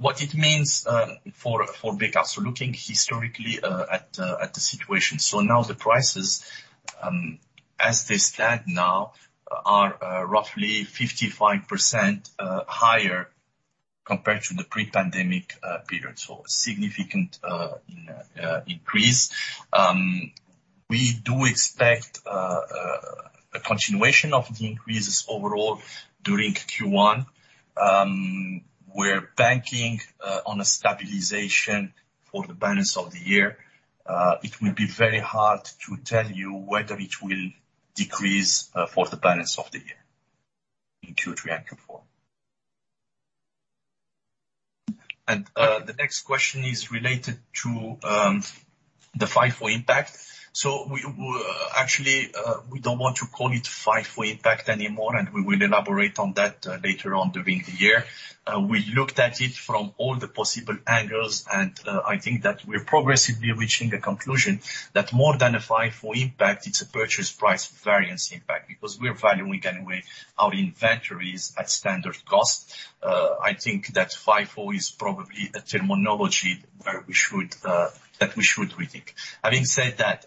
What it means for Bekaert, looking historically at the situation. Now the prices as they stand now are roughly 55% higher compared to the pre-pandemic period. A significant increase. We do expect a continuation of the increases overall during Q1. We're banking on a stabilization for the balance of the year. It will be very hard to tell you whether it will decrease for the balance of the year in Q3 and Q4. The next question is related to the FIFO impact. Actually, we don't want to call it FIFO impact anymore, and we will elaborate on that later on during the year. We looked at it from all the possible angles, and I think that we're progressively reaching the conclusion that more than a FIFO impact, it's a purchase price variance impact, because we're valuing anyway our inventories at standard cost. I think that FIFO is probably a terminology where we should rethink. Having said that,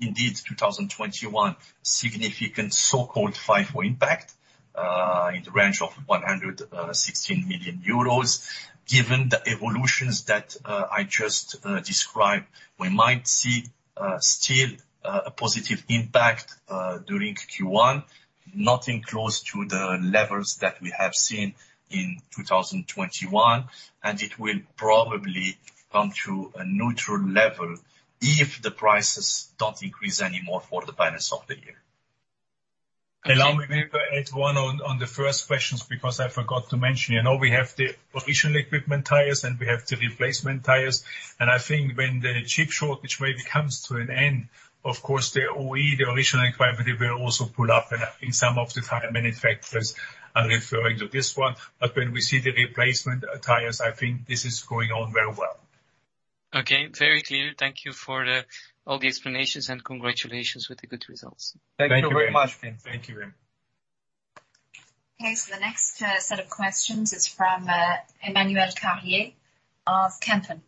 indeed, 2021 significant so-called FIFO impact in the range of 116 million euros. Given the evolutions that I just described, we might see still a positive impact during Q1, nothing close to the levels that we have seen in 2021, and it will probably come to a neutral level if the prices don't increase any more for the balance of the year. Maybe add one on the first questions, because I forgot to mention, you know, we have the original equipment tires and we have the replacement tires, and I think when the chip shortage maybe comes to an end, of course, the OE, the original equipment, they will also pull up, and I think some of the tire manufacturers are referring to this one. When we see the replacement tires, I think this is going on very well. Okay, very clear. Thank you for all the explanations, and congratulations with the good results. Thank you very much. Thank you. Thank you. Okay, the next set of questions is from Emmanuel Carlier of Kempen.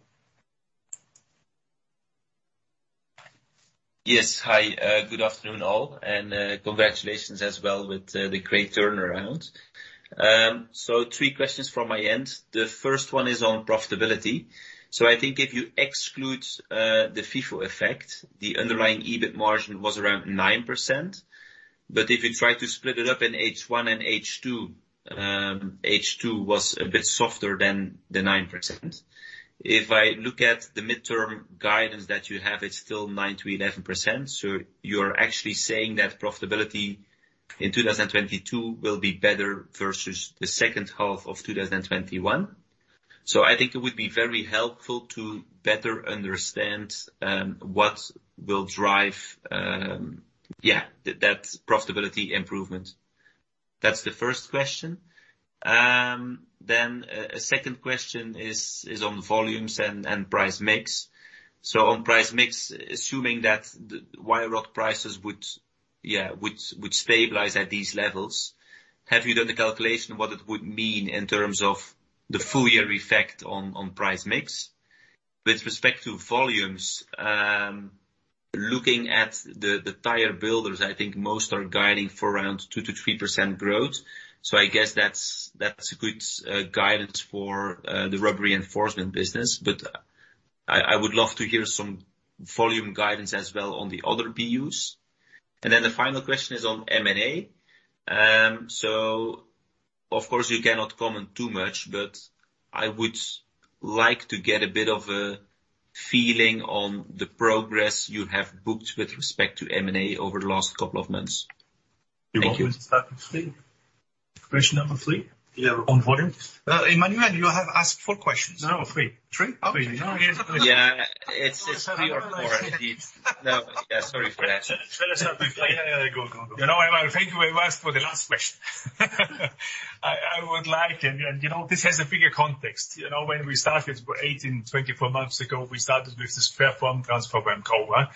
Yes. Hi. Good afternoon, all, and congratulations as well with the great turnaround. Three questions from my end. The first one is on profitability. I think if you exclude the FIFO effect, the underlying EBIT margin was around 9%. If you try to split it up in H1 and H2 was a bit softer than the 9%. If I look at the midterm guidance that you have, it's still 9%-11%. You're actually saying that profitability in 2022 will be better versus the second half of 2021. I think it would be very helpful to better understand what will drive that profitability improvement. That's the first question. Then a second question is on volumes and price mix. On price mix, assuming that the wire rod prices would stabilize at these levels, have you done the calculation what it would mean in terms of the full year effect on price mix? With respect to volumes, looking at the tire builders, I think most are guiding for around 2%-3% growth. I guess that's a good guidance for the Rubber Reinforcement business. But I would love to hear some volume guidance as well on the other BUs. Then the final question is on M&A. Of course you cannot comment too much, but I would like to get a bit of a feeling on the progress you have booked with respect to M&A over the last couple of months. Thank you. You want me to start with three? Question number three? Yeah. On volume. Emmanuel, you have asked four questions. No, 3. 3? Okay. Three. Yeah. It's three or four indeed. No. Yeah. Sorry for that. Yeah, yeah. Go, go. You know, Emmanuel, thank you very much for the last question. I would like you know, this has a bigger context. You know, when we started eight and 24 months ago, we started with this platform transformation program, Cora.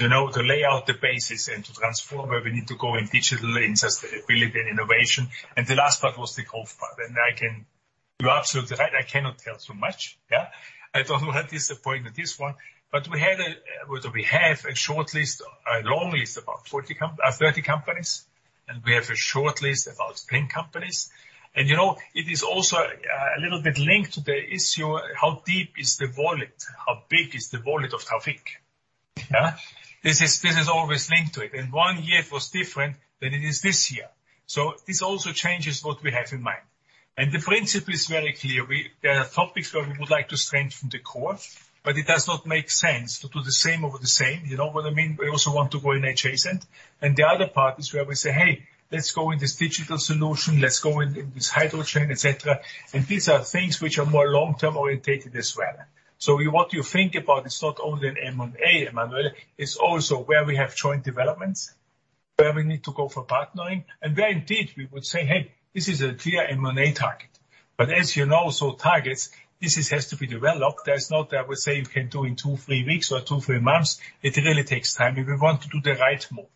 You know, to lay out the basis and to transform where we need to go in digital and sustainability and innovation. The last part was the growth part. You're absolutely right, I cannot tell too much. Yeah. I don't want to disappoint with this one, but we had a— Well, we have a short list, a long list, about 30 companies, and we have a short list about 10 companies. You know, it is also a little bit linked to the issue, how deep is the wallet, how big is the wallet of Taoufiq? Yeah. This is always linked to it. One year it was different than it is this year. This also changes what we have in mind. The principle is very clear. There are topics where we would like to strengthen the core, but it does not make sense to do the same over the same. You know what I mean? We also want to go in adjacent. The other part is where we say, "Hey, let's go in this digital solution. Let's go in this hydrogen," et cetera. These are things which are more long-term orientated as well. What you think about is not only in M&A, Emmanuel, it's also where we have joint developments, where we need to go for partnering, and where indeed we would say, "Hey, this is a clear M&A target." As you know, those targets, this has to be developed. It's not that we say you can do in two to three weeks or two to three months. It really takes time, and we want to do the right move.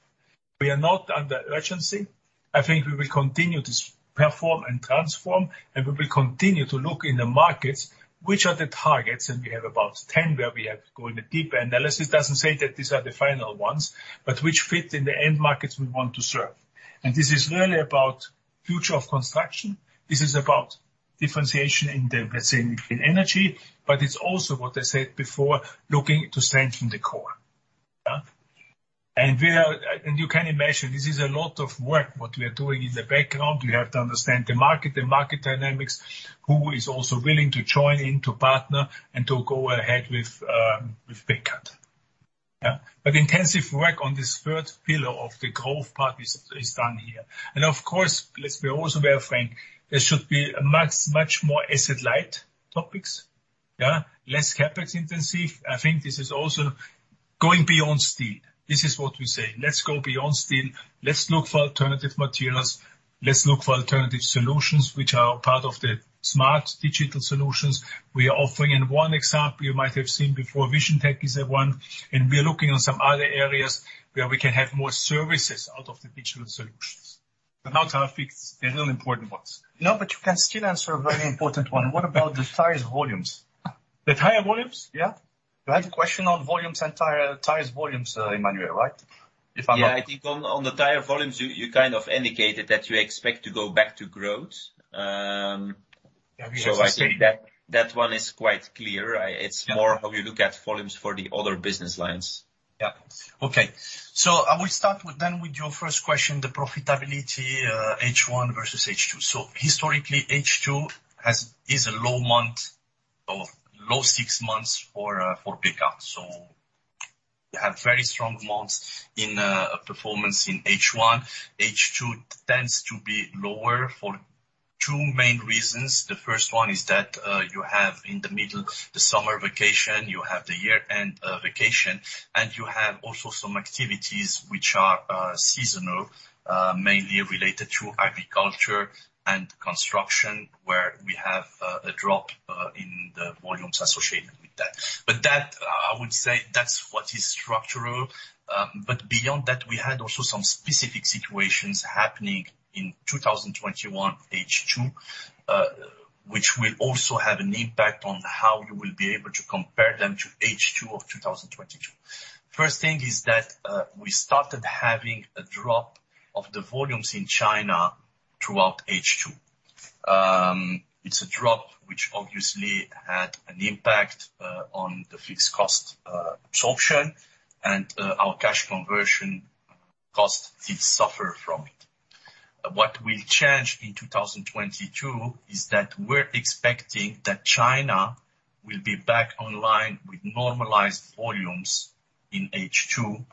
We are not under urgency. I think we will continue to perform and transform, and we will continue to look in the markets which are the targets, and we have about 10 where we have to go in a deeper analysis. It doesn't say that these are the final ones, but which fit in the end markets we want to serve. This is really about future of construction. This is about differentiation in the, let's say, in energy, but it's also what I said before, looking to strengthen the core. Yeah. You can imagine this is a lot of work, what we are doing in the background. We have to understand the market, the market dynamics, who is also willing to join in, to partner and to go ahead with Bekaert. Yeah. Intensive work on this third pillar of the growth part is done here. Of course, let's be also very frank, there should be a much, much more asset light topics, yeah. Less CapEx intensive. I think this is also going beyond steel. This is what we say. Let's go beyond steel. Let's look for alternative materials. Let's look for alternative solutions which are part of the smart digital solutions we are offering. In one example, you might have seen before, VisionTek is that one, and we are looking on some other areas where we can have more services out of the digital solutions, but not our fixed, the real important ones. No, but you can still answer a very important one. What about the tires volumes? The tire volumes? Yeah. You had a question on volumes and tires volumes, Emmanuel, right? If I'm not- Yeah, I think on the tire volumes, you kind of indicated that you expect to go back to growth. I think that one is quite clear. It's more how you look at volumes for the other business lines. Yeah. Okay. I will start with your first question, the profitability, H1 versus H2. Historically, H2 is a low month or low six months for Bekaert. We have very strong months in performance in H1. H2 tends to be lower for two main reasons. The first one is that you have in the middle the summer vacation, you have the year-end vacation, and you have also some activities which are seasonal, mainly related to agriculture and construction, where we have a drop in the volumes associated with that. But that, I would say, that's what is structural. Beyond that, we had also some specific situations happening in 2021 H2, which will also have an impact on how you will be able to compare them to H2 of 2022. First thing is that we started having a drop of the volumes in China throughout H2. It's a drop which obviously had an impact on the fixed cost absorption and our cash conversion costs did suffer from it. What will change in 2022 is that we're expecting that China will be back online with normalized volumes in H2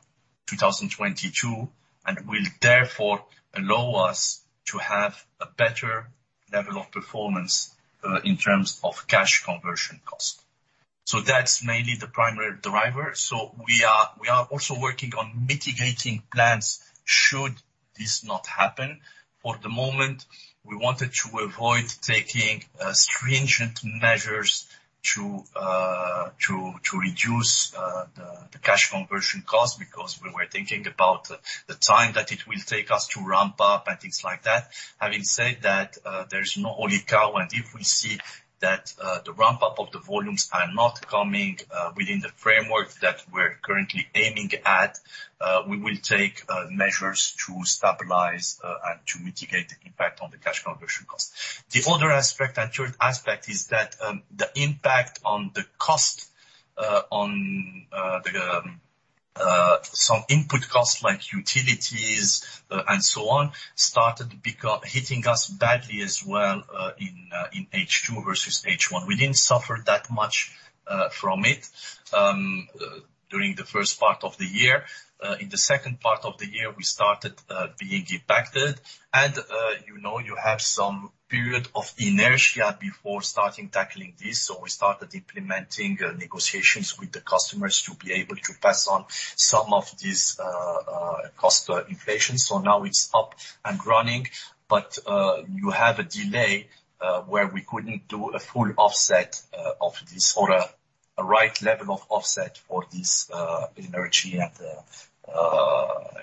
2022, and will therefore allow us to have a better level of performance in terms of cash conversion cost. That's mainly the primary driver. We are also working on mitigating plans should this not happen. For the moment, we wanted to avoid taking stringent measures to reduce the cash conversion cost because we were thinking about the time that it will take us to ramp up and things like that. Having said that, there's no holy cow, and if we see that the ramp-up of the volumes are not coming within the framework that we're currently aiming at, we will take measures to stabilize and to mitigate the impact on the cash conversion cost. The other aspect, and third aspect is that the impact on the cost on the some input costs like utilities and so on, started hitting us badly as well in H2 versus H1. We didn't suffer that much from it during the first part of the year. In the second part of the year, we started being impacted. You know, you have some period of inertia before starting tackling this. We started implementing negotiations with the customers to be able to pass on some of this cost inflation. Now it's up and running. You have a delay where we couldn't do a full offset of this or a right level of offset for this energy and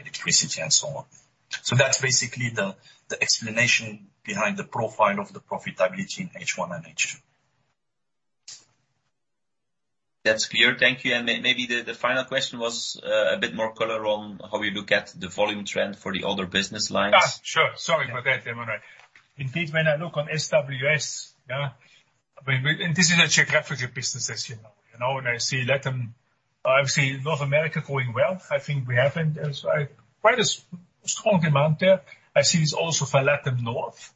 electricity and so on. That's basically the explanation behind the profile of the profitability in H1 and H2. That's clear. Thank you. Maybe the final question was a bit more color on how you look at the volume trend for the other business lines. Sure. Sorry about that, Emmanuel. Indeed, when I look on SWS, yeah, I mean, this is a geographical business, as you know. You know, when I see LATAM, I see North America growing well. I think there has been quite a strong demand there. I see it also for Latin America North.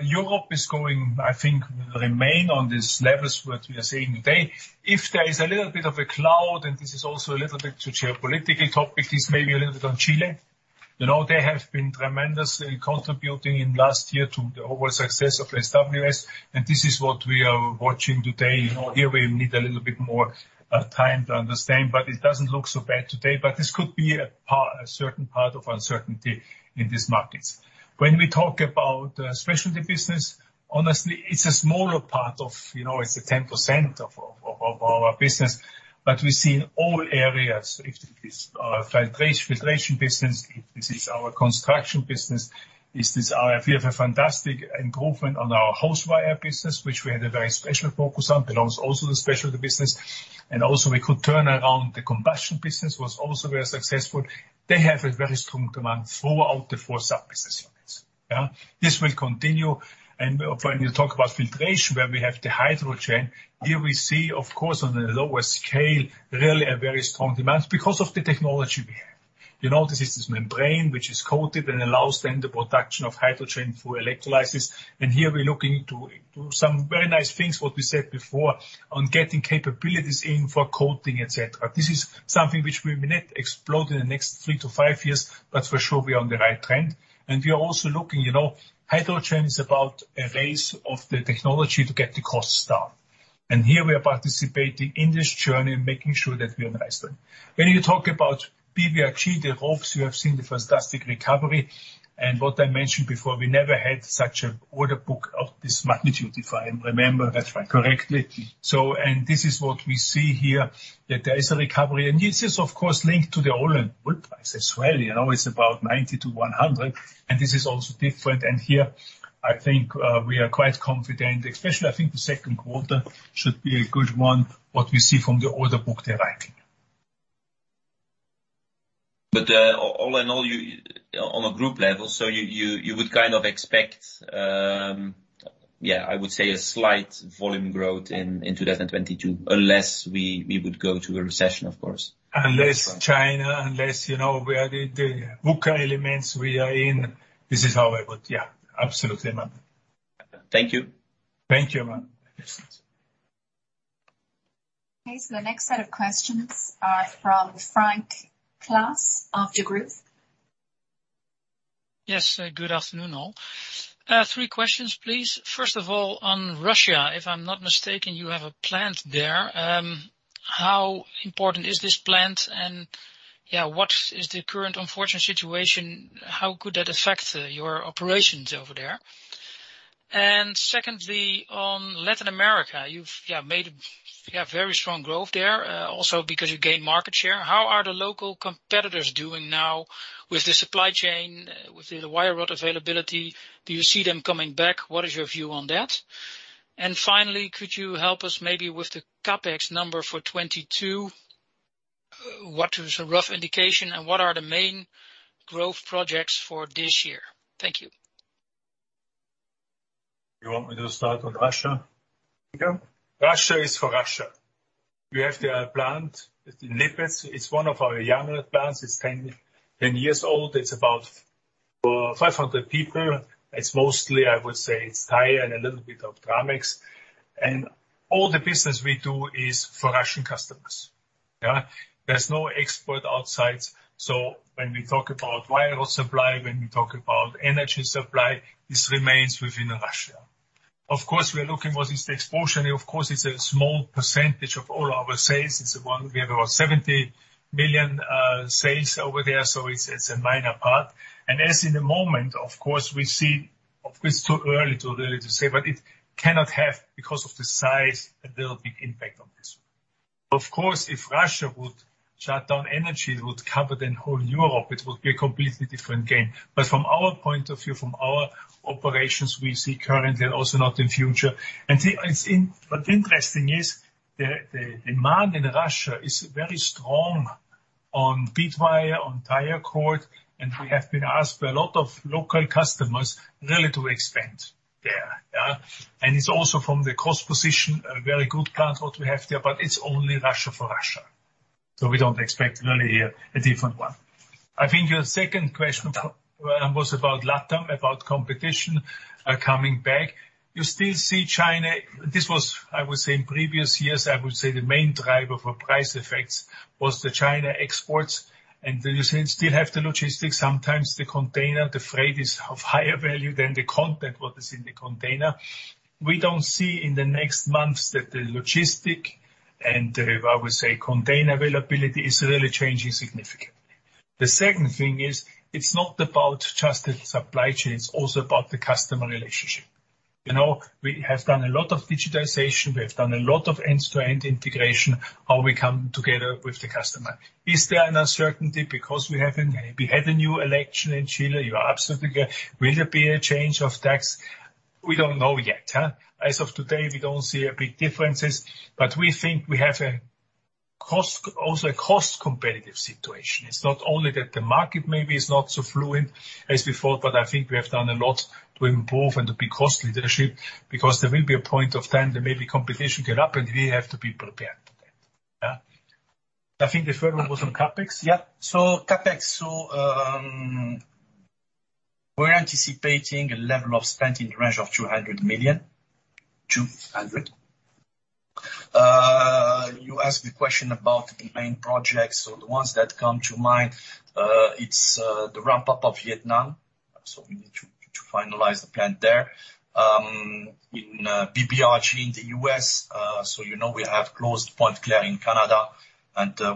Europe is going to, I think, remain on these levels what we are seeing today. If there is a little bit of a cloud, and this is also a little bit of a geopolitical topic, it is maybe a little bit on Chile. You know, they have been tremendously contributing in last year to the overall success of SWS, and this is what we are watching today. You know, here we need a little bit more time to understand, but it doesn't look so bad today. This could be a certain part of uncertainty in these markets. When we talk about Specialty Businesses, honestly, it's a smaller part of, you know, it's 10% of our business. We see in all areas, if it is our filtration business, if this is our construction business, we have a fantastic improvement on our housewire business, which we had a very special focus on, belongs also to the Specialty Businesses. We could turn around the combustion business, was also very successful. They have a very strong demand throughout the four sub-business units. Yeah. This will continue. When you talk about filtration, where we have the hydrogen, here we see, of course, on a lower scale, really a very strong demand because of the technology we have. You know, this is this membrane which is coated and allows then the production of hydrogen through electrolysis. Here we're looking to some very nice things, what we said before, on getting capabilities in for coating, et cetera. This is something which will be explode in the next three to five years, but for sure we're on the right trend. We are also looking, you know, hydrogen is about a race of the technology to get the costs down. Here we are participating in this journey and making sure that we are on the right trend. When you talk about BBRG, the ropes, you have seen the fantastic recovery. What I mentioned before, we never had such an order book of this magnitude, if I remember- That's right. This is what we see here, that there is a recovery. This is of course linked to the oil and crude price as well. You know, it's about $90-$100, and this is also different. Here I think we are quite confident, especially I think the second quarter should be a good one, what we see from the order book they're writing. All in all, on a group level, you would kind of expect, yeah, I would say a slight volume growth in 2022, unless we would go to a recession, of course. Unless China, you know, we are the VUCA elements we are in. This is how I would. Yeah, absolutely, Emman. Thank you. Thank you, Emman. Okay, the next set of questions are from Frank Claassen of Degroof. Yes. Good afternoon, all. Three questions, please. First of all, on Russia, if I'm not mistaken, you have a plant there. How important is this plant and what is the current unfortunate situation? How could that affect your operations over there? Secondly, on Latin America, you've made very strong growth there, also because you gained market share. How are the local competitors doing now with the supply chain, with the wire rod availability? Do you see them coming back? What is your view on that? Finally, could you help us maybe with the CapEx number for 2022? What is a rough indication and what are the main growth projects for this year? Thank you. You want me to start with Russia? Sure. Russia is for Russia. We have the plant in Lipetsk. It's one of our younger plants. It's 10 years old. It's about 500 people. It's mostly, I would say, it's tire and a little bit of Dramix. All the business we do is for Russian customers. Yeah. There's no export outside. When we talk about wire rod supply, when we talk about energy supply, this remains within Russia. Of course, we are looking at what the exposure is, and of course, it's a small percentage of all our sales. It's one, we have about 70 million sales over there, so it's a minor part. At the moment, of course, we see. Of course, it's too early to say, but it cannot have a very big impact on this because of the size. Of course, if Russia would shut down energy, it would cover the whole Europe. It would be a completely different game. From our point of view, from our operations, we see currently and also not in future. What's interesting is the demand in Russia is very strong on bead wire, on tire cord, and we have been asked by a lot of local customers really to expand there. Yeah. And it's also from the cost position, a very good plant what we have there, but it's only Russia for Russia. So we don't expect really a different one. I think your second question was about LATAM, about competition coming back. You still see China. This was, I would say, in previous years, I would say the main driver for price FX was the China exports. And you still have the logistics. Sometimes the container, the freight is of higher value than the content what is in the container. We don't see in the next months that the logistics and the, I would say, container availability is really changing significantly. The second thing is, it's not about just the supply chain, it's also about the customer relationship. You know, we have done a lot of digitization, we have done a lot of end-to-end integration, how we come together with the customer. Is there an uncertainty because we haven't. We had a new election in Chile, you are absolutely correct. Will there be a change of tax? We don't know yet, huh. As of today, we don't see a big differences, but we think we have a cost, also a cost competitive situation. It's not only that the market maybe is not so fluid as before, but I think we have done a lot to improve and to be cost leadership, because there will be a point of time that maybe competition get up, and we have to be prepared for that. Yeah. I think the third one was on CapEx. CapEx. We're anticipating a level of spend in the range of 200 million. You asked me a question about the main projects. The ones that come to mind, it's the ramp-up of Vietnam. We need to finalize the plant there. In BBRG in the U.S., you know we have closed Pointe-Claire in Canada.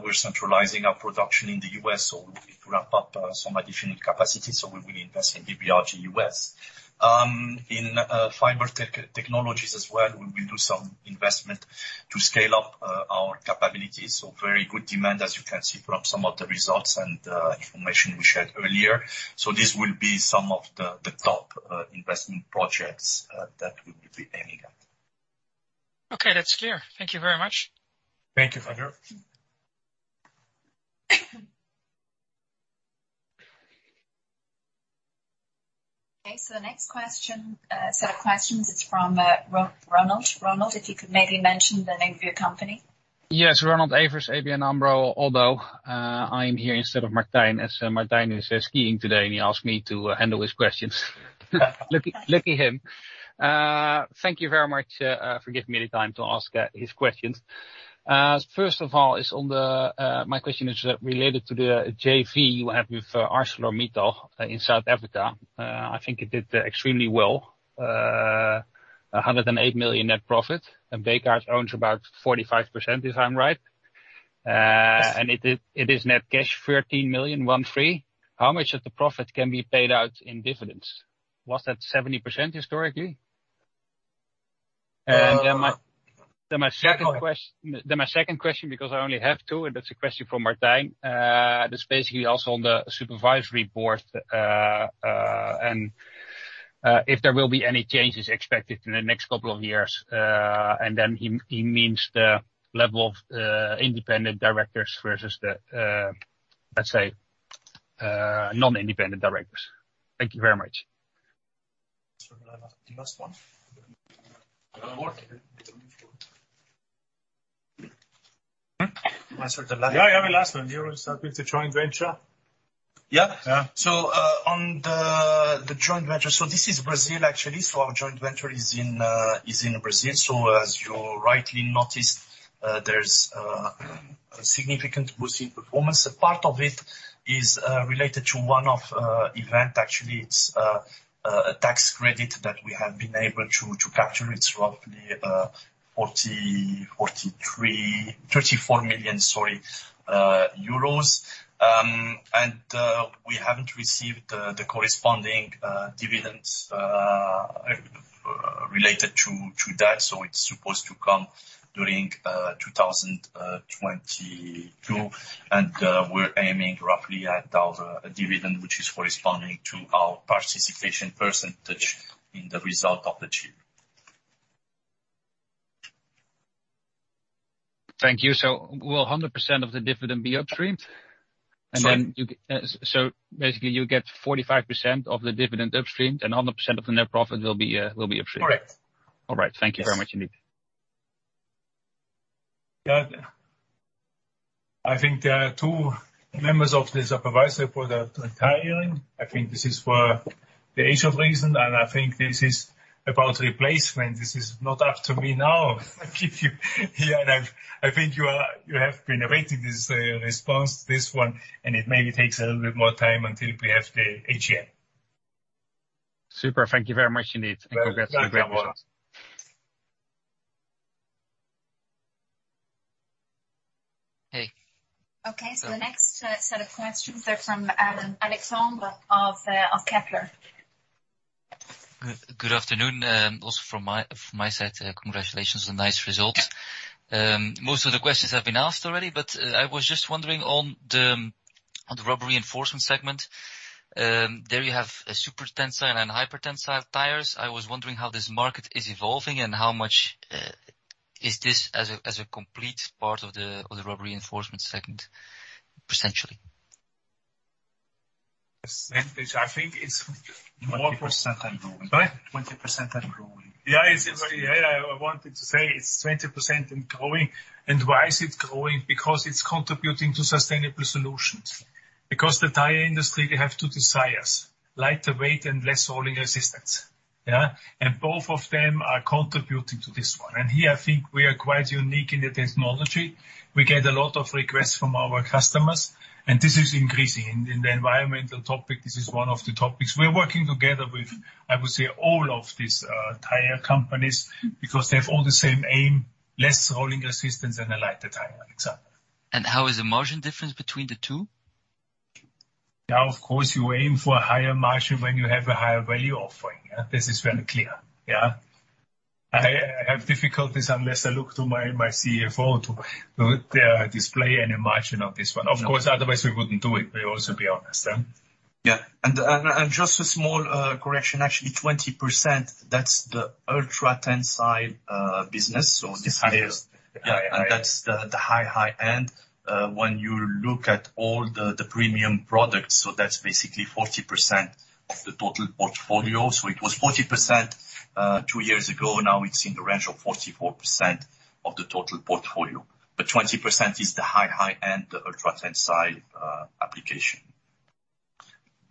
We're centralizing our production in the U.S., so we're looking to ramp up some additional capacity, so we will invest in BBRG U.S. In fiber technologies as well, we will do some investment to scale up our capabilities. Very good demand, as you can see from some of the results and information we shared earlier. This will be some of the top investment projects that we will be aiming at. Okay, that's clear. Thank you very much. Thank you, Heather. Okay. The next question, set of questions is from Ronald. Ronald, if you could maybe mention the name of your company. Yes, Ronald Evers, ABN AMRO. Although, I'm here instead of Martijn, as Martijn is skiing today, and he asked me to handle his questions. Lucky him. Thank you very much for giving me the time to ask his questions. First of all, my question is related to the JV you have with ArcelorMittal in South Africa. I think it did extremely well. 108 million net profit, and Bekaert owns about 45%, if I'm right. Yes. It is net cash 13 million, 13. How much of the profit can be paid out in dividends? Was that 70% historically? Um- My second question. Go ahead. My second question, because I only have two, and that's a question for Martijn. That's basically also on the supervisory board, and if there will be any changes expected in the next couple of years, and then he means the level of independent directors versus the, let's say, non-independent directors. Thank you very much. The last one. One more. Answer the last. Yeah, yeah, the last one. You will start with the joint venture? Yeah. Yeah. On the joint venture, this is Brazil, actually. Our joint venture is in Brazil. As you rightly noticed, there's a significant boost in performance. A part of it is related to one-off event. Actually, it's a tax credit that we have been able to capture. It's roughly 34 million, sorry. We haven't received the corresponding dividends related to that. It's supposed to come during 2022. We're aiming roughly at our dividend, which is corresponding to our participation percentage in the result of the year. Thank you. Will 100% of the dividend be upstreamed? Sorry? Basically you'll get 45% of the dividend upstreamed and 100% of the net profit will be upstreamed. Correct. All right. Thank you very much indeed. Yes. Yeah. I think there are two members of the supervisory board for the entire year. I think this is for the Asia region, and I think this is about replacement. This is not up to me now if you're here, and I think you are, you have been awaiting this response to this one, and it maybe takes a little bit more time until we have the AGM. Super. Thank you very much indeed. Welcome. Congrats with the great results. Thanks a lot. Hey. Okay. The next set of questions are from Alexander of Kepler. Good afternoon. From my side, congratulations on nice results. Most of the questions have been asked already, but I was just wondering on the Rubber Reinforcement segment, there you have a super-tensile and hyper-tensile tires. I was wondering how this market is evolving and how much is this as a complete part of the Rubber Reinforcement segment, percentually? Percentage, I think it's more. 20% and growing. Sorry? 20% and growing. I wanted to say it's 20% and growing. Why is it growing? Because it's contributing to sustainable solutions. Because the tire industry, they have two desires, lighter weight and less rolling resistance. Both of them are contributing to this one. Here, I think we are quite unique in the technology. We get a lot of requests from our customers, and this is increasing. In the environmental topic, this is one of the topics. We are working together with, I would say, all of these tire companies because they have all the same aim, less rolling resistance and a lighter tire, Alexandre. How is the margin difference between the two? Now, of course, you aim for a higher margin when you have a higher value offering. Yeah. This is very clear. Yeah. I have difficulties unless I look to my CFO to disclose any margin of this one. Of course, otherwise we wouldn't do it. We also, to be honest, yeah. Just a small correction. Actually, 20%, that's the ultra-tensile business. So this is- The higher. Yeah, yeah. Yeah. That's the high-end, when you look at all the premium products. That's basically 40% of the total portfolio. It was 40%, two years ago. Now it's in the range of 44% of the total portfolio. 20% is the high-end, the ultra-tensile application.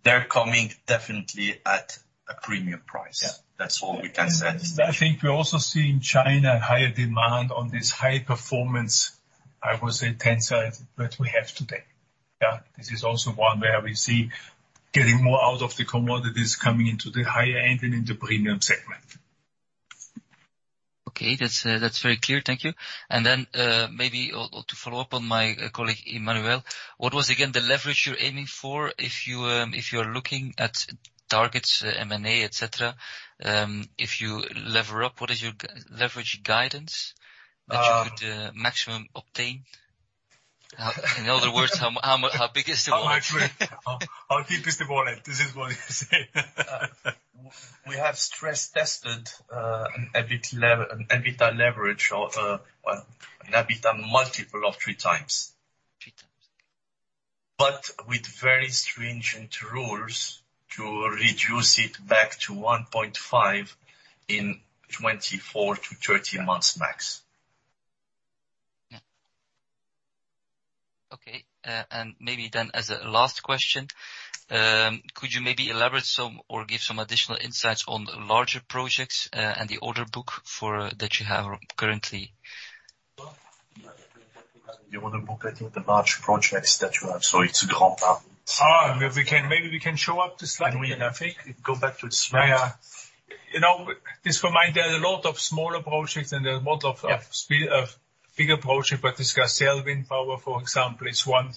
They're coming definitely at a premium price. Yeah. That's all we can say. I think we also see in China higher demand on this high performance, I would say, tensile that we have today. Yeah. This is also one where we see getting more out of the commodities coming into the higher end and in the premium segment. Okay, that's very clear. Thank you. Maybe or to follow up on my colleague, Emmanuel, what was again the leverage you're aiming for if you, if you're looking at targets, M&A, et cetera? If you lever up, what is your net-leverage guidance? Uh- That you could maximum obtain? In other words, how big is the wallet? How big is the wallet? This is what you say. We have stress-tested an EBITA leverage of well an EBITA multiple of three times. Three times, okay. With very stringent rules to reduce it back to 1.5 in 24 to 30 months max. Yeah. Okay. Maybe then as a last question, could you maybe elaborate some or give some additional insights on the larger projects, and the order book for that you have currently? The order book, I think the large projects that you have. It's Maybe we can show up the slide, I think. Go back to the slide. Yeah. You know, please remind there are a lot of smaller projects and there are a lot of big projects. We discussed sea wind power, for example, is one.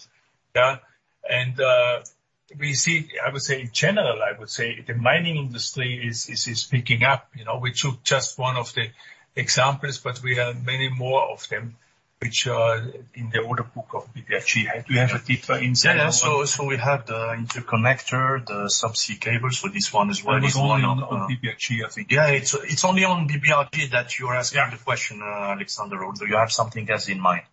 We see, I would say, in general, I would say, the mining industry is picking up. You know, we took just one of the examples, but we have many more of them which are in the order book of BBRG. We have a deeper insight. Yeah, we have the interconnector, the subsea cables for this one as well. It's only on BBRG, I think. Yeah. It's only on BBRG that you are asking the question, Alexander, or do you have something else in mind?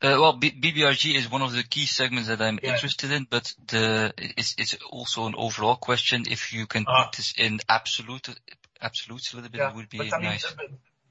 BBRG is one of the key segments that I'm interested in. Yeah. It's also an overall question. If you can Ah. Put this in absolute, absolutes a little bit, it would be nice.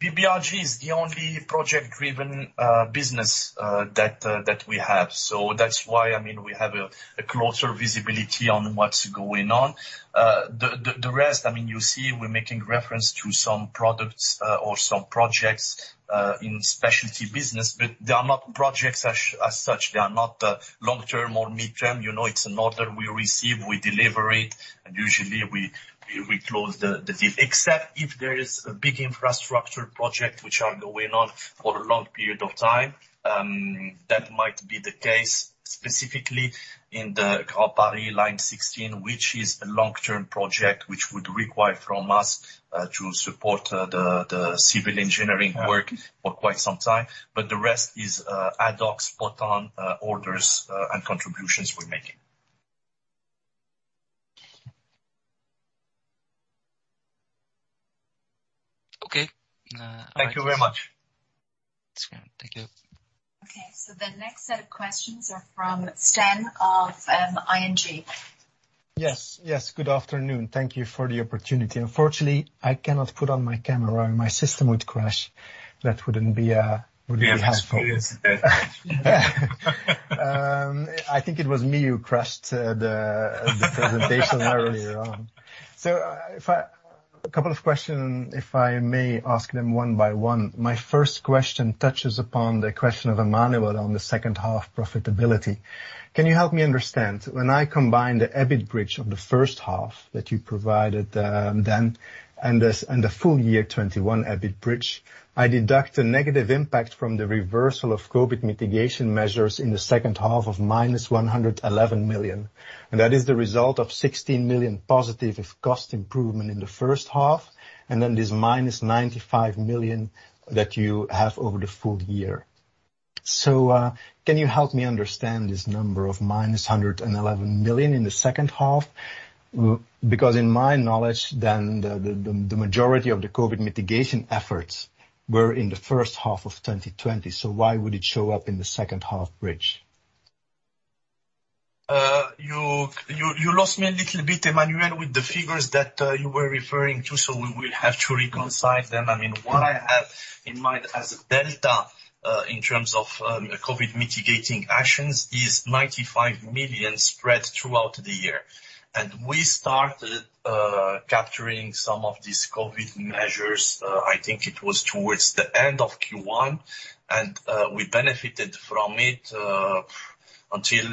I mean, the BBRG is the only project-driven business that we have. That's why, I mean, we have a closer visibility on what's going on. The rest, I mean, you see we're making reference to some products or some projects in Specialty Businesses, but they are not projects as such. They are not long-term or mid-term. You know, it's an order we receive, we deliver it, and usually we close the deal, except if there is a big infrastructure project which is going on for a long period of time. That might be the case specifically in the Grand Paris Line 16, which is a long-term project which would require from us to support the civil engineering work for quite some time. The rest is ad hoc spot on orders and contributions we're making. Okay. Thank you very much. It's fine. Thank you. Okay. The next set of questions are from Stijn of ING. Yes, yes. Good afternoon. Thank you for the opportunity. Unfortunately, I cannot put on my camera. My system would crash. That wouldn't be helpful. We have experience with that. Yeah. I think it was me who crashed the presentation earlier on. A couple of questions, if I may ask them one by one. My first question touches upon the question of Emmanuel on the second half profitability. Can you help me understand? When I combine the EBIT bridge on the first half that you provided, then and this, and the full year 2021 EBIT bridge, I deduct a negative impact from the reversal of COVID mitigation measures in the second half of -111 million. That is the result of 16 million positive of cost improvement in the first half, and then this -95 million that you have over the full year. Can you help me understand this number of -111 million in the second half? Because in my knowledge, then the majority of the COVID mitigation efforts were in the first half of 2020. Why would it show up in the second half bridge? You lost me a little bit, Emmanuel, with the figures that you were referring to, so we will have to reconcile them. I mean, what I have in mind as a delta in terms of COVID mitigating actions is 95 million spread throughout the year. We started capturing some of these COVID measures, I think it was towards the end of Q1, and we benefited from it until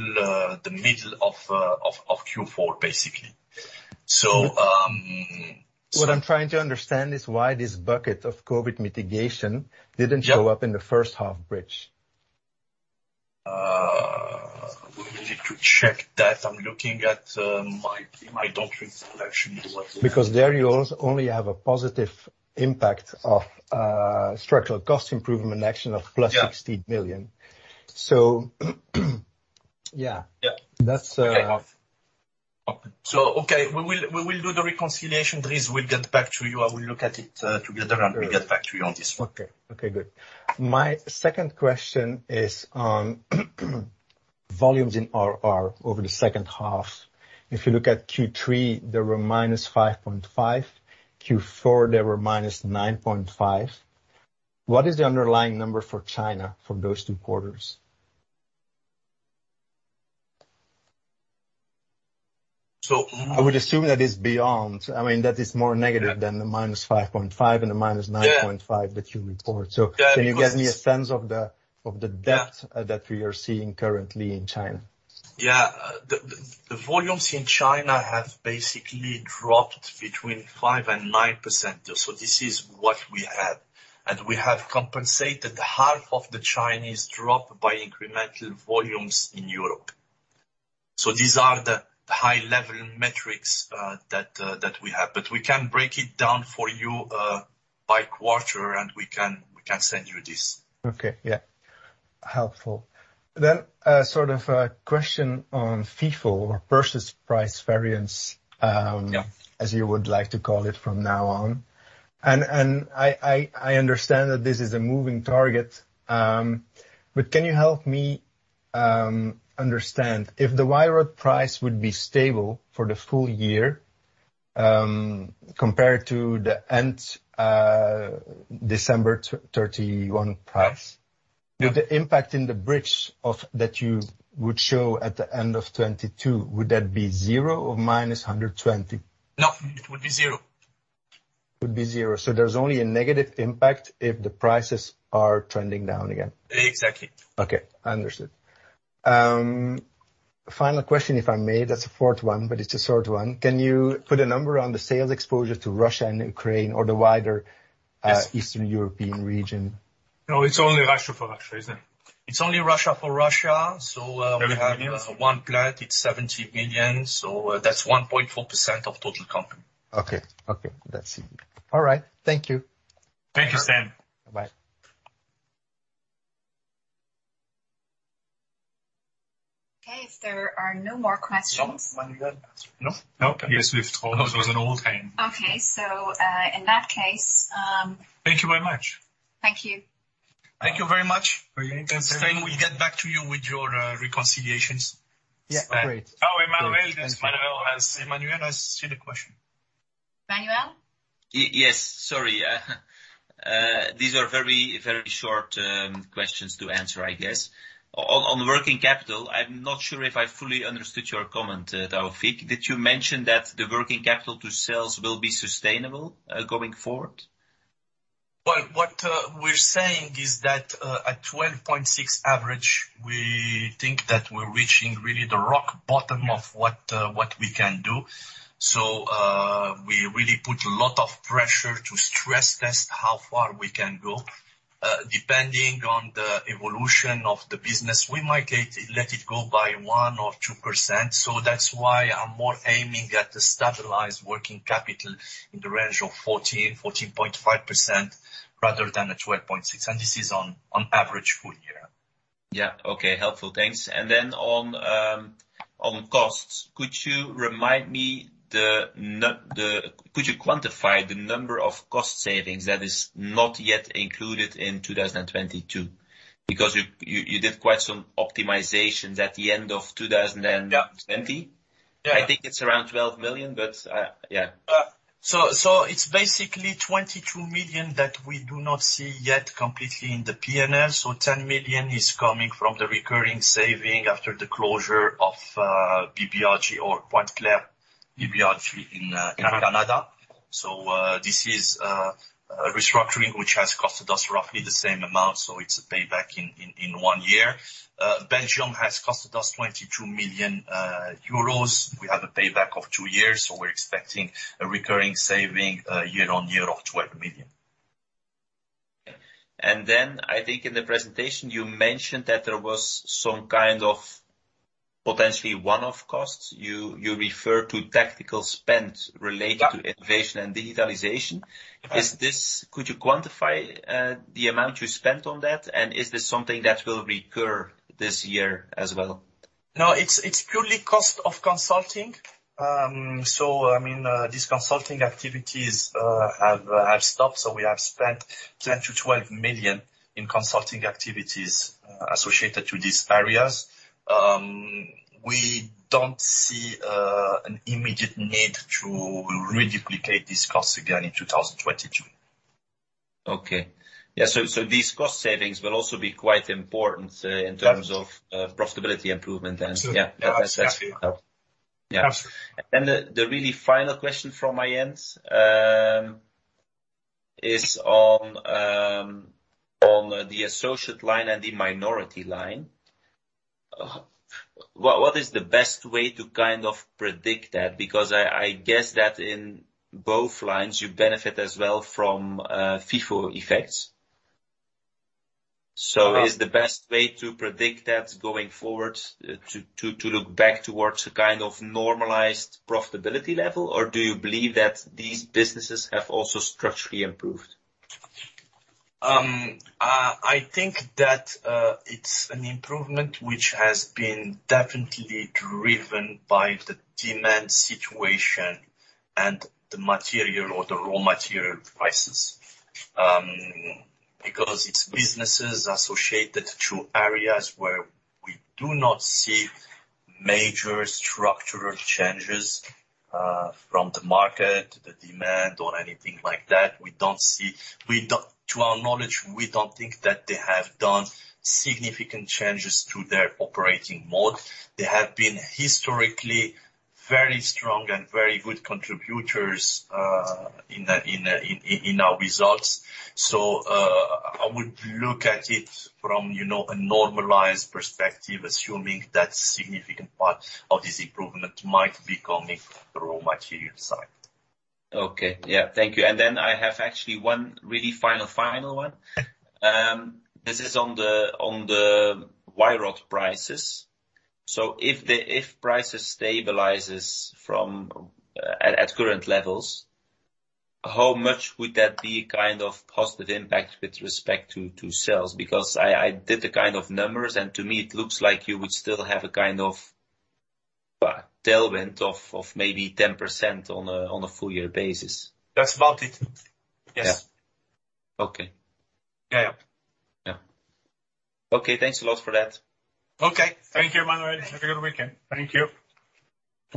the middle of Q4, basically. What I'm trying to understand is why this bucket of COVID mitigation didn't show up in the first half bridge. We need to check that. I'm looking at my documents what actually was. Because there you also only have a positive impact of structural cost improvement action of +60 million. Yeah. Yeah. Yeah. That's, uh- We will do the reconciliation. Stijn, we'll get back to you. I will look at it together, and we get back to you on this one. Okay. Okay, good. My second question is on volumes in RR over the second half. If you look at Q3, there were -5.5%, Q4, there were -9.5%. What is the underlying number for China for those two quarters? So- I would assume that is beyond. I mean, that is more negative than the -5.5% and the -9.5% that you report. Yeah. Can you get me a sense of the depth that we are seeing currently in China? The volumes in China have basically dropped between 5% and 9%. This is what we have. We have compensated half of the Chinese drop by incremental volumes in Europe. These are the high-level metrics that we have. We can break it down for you by quarter, and we can send you this. Okay. Yeah. Helpful. Sort of a question on FIFO or purchase price variance? Yeah. As you would like to call it from now on. I understand that this is a moving target, but can you help me understand if the wire rod price would be stable for the full year, compared to the end December 31 price? Yeah. Would the impact in the bridge that you would show at the end of 2022, would that be 0 or -120? No, it would be zero. It would be zero. There's only a negative impact if the prices are trending down again. Exactly. Okay, understood. Final question, if I may. That's a fourth one, but it's a short one. Can you put a number on the sales exposure to Russia and Ukraine or the wider- Yes. Eastern European region? No, it's only Russia for Russia, isn't it? It's only Russia for Russia. EUR 30 million. We have one plant, it's 70 million. That's 1.4% of total company. Okay. That's it. All right. Thank you. Thank you, Stijn. Bye. Okay. If there are no more questions. No. No. I guess we were told it was an old time. Okay. In that case, Thank you very much. Thank you. Thank you very much. Okay. Thanks, everyone. We'll get back to you with your reconciliations. Yeah, great. Oh, Emmanuel. It's Emmanuel. Emmanuel has seen the question. Emmanuel? Yes. Sorry. These are very, very short questions to answer, I guess. On working capital, I'm not sure if I fully understood your comment, Taoufiq. Did you mention that the working capital to sales will be sustainable going forward? Well, what we're saying is that at 12.6 average, we think that we're reaching really the rock bottom of what we can do. We really put a lot of pressure to stress test how far we can go. Depending on the evolution of the business, we might let it go by 1% or 2%. That's why I'm more aiming at a stabilized working capital in the range of 14.5% rather than a 12.6%. This is on average full year. Yeah. Okay. Helpful. Thanks. Then on costs, could you quantify the number of cost savings that is not yet included in 2022? Because you did quite some optimizations at the end of two 2020. Yeah 20. Yeah. I think it's around 12 million, but, yeah. It's basically 22 million that we do not see yet completely in the P&L. 10 million is coming from the recurring saving after the closure of BBRG or Pointe-Claire BBRG in Canada. This is a restructuring which has costed us roughly the same amount, so it's paid back in one year. Belgium has costed us 22 million euros. We have a payback of two years, so we're expecting a recurring saving year on year of 12 million. Then I think in the presentation, you mentioned that there was some kind of potentially one-off costs. You referred to tactical spend related- Yeah. to innovation and digitalization. Yeah. Could you quantify the amount you spent on that? And is this something that will recur this year as well? No, it's purely cost of consulting. I mean, these consulting activities have stopped. We have spent 10 million-12 million in consulting activities associated to these areas. We don't see an immediate need to reduplicate this cost again in 2022. Okay. Yeah. These cost savings will also be quite important. Yeah in terms of profitability improvement and yeah. Yes. Yes That makes sense. Yeah. Yes. The really final question from my end is on the associate line and the minority line. What is the best way to kind of predict that? Because I guess that in both lines you benefit as well from FIFO effects. Is the best way to predict that going forward to look back towards a kind of normalized profitability level? Or do you believe that these businesses have also structurally improved? I think that it's an improvement which has been definitely driven by the demand situation and the material or the raw material prices. Because it's businesses associated to areas where we do not see major structural changes from the market, the demand or anything like that. To our knowledge, we don't think that they have done significant changes to their operating mode. They have been historically very strong and very good contributors in our results. I would look at it from, you know, a normalized perspective, assuming that significant part of this improvement might be coming from raw material side. Okay. Yeah. Thank you. I have actually one really final one. This is on the wire rod prices. If prices stabilizes from at current levels, how much would that be kind of positive impact with respect to sales? Because I did the kind of numbers, and to me it looks like you would still have a kind of tailwind of maybe 10% on a full year basis. That's about it. Yes. Yeah. Okay. Yeah. Yeah. Yeah. Okay. Thanks a lot for that. Okay. Thank you, Emmanuel. Have a good weekend. Thank you.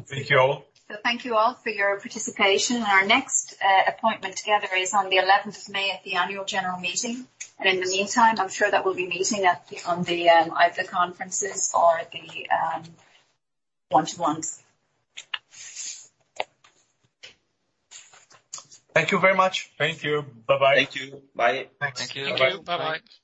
Thank you all. Thank you all for your participation. Our next appointment together is on the eleventh of May at the annual general meeting. In the meantime, I'm sure that we'll be meeting either at conferences or one-to-ones. Thank you very much. Thank you. Bye-bye. Thank you. Bye. Thanks. Thank you. Bye-bye.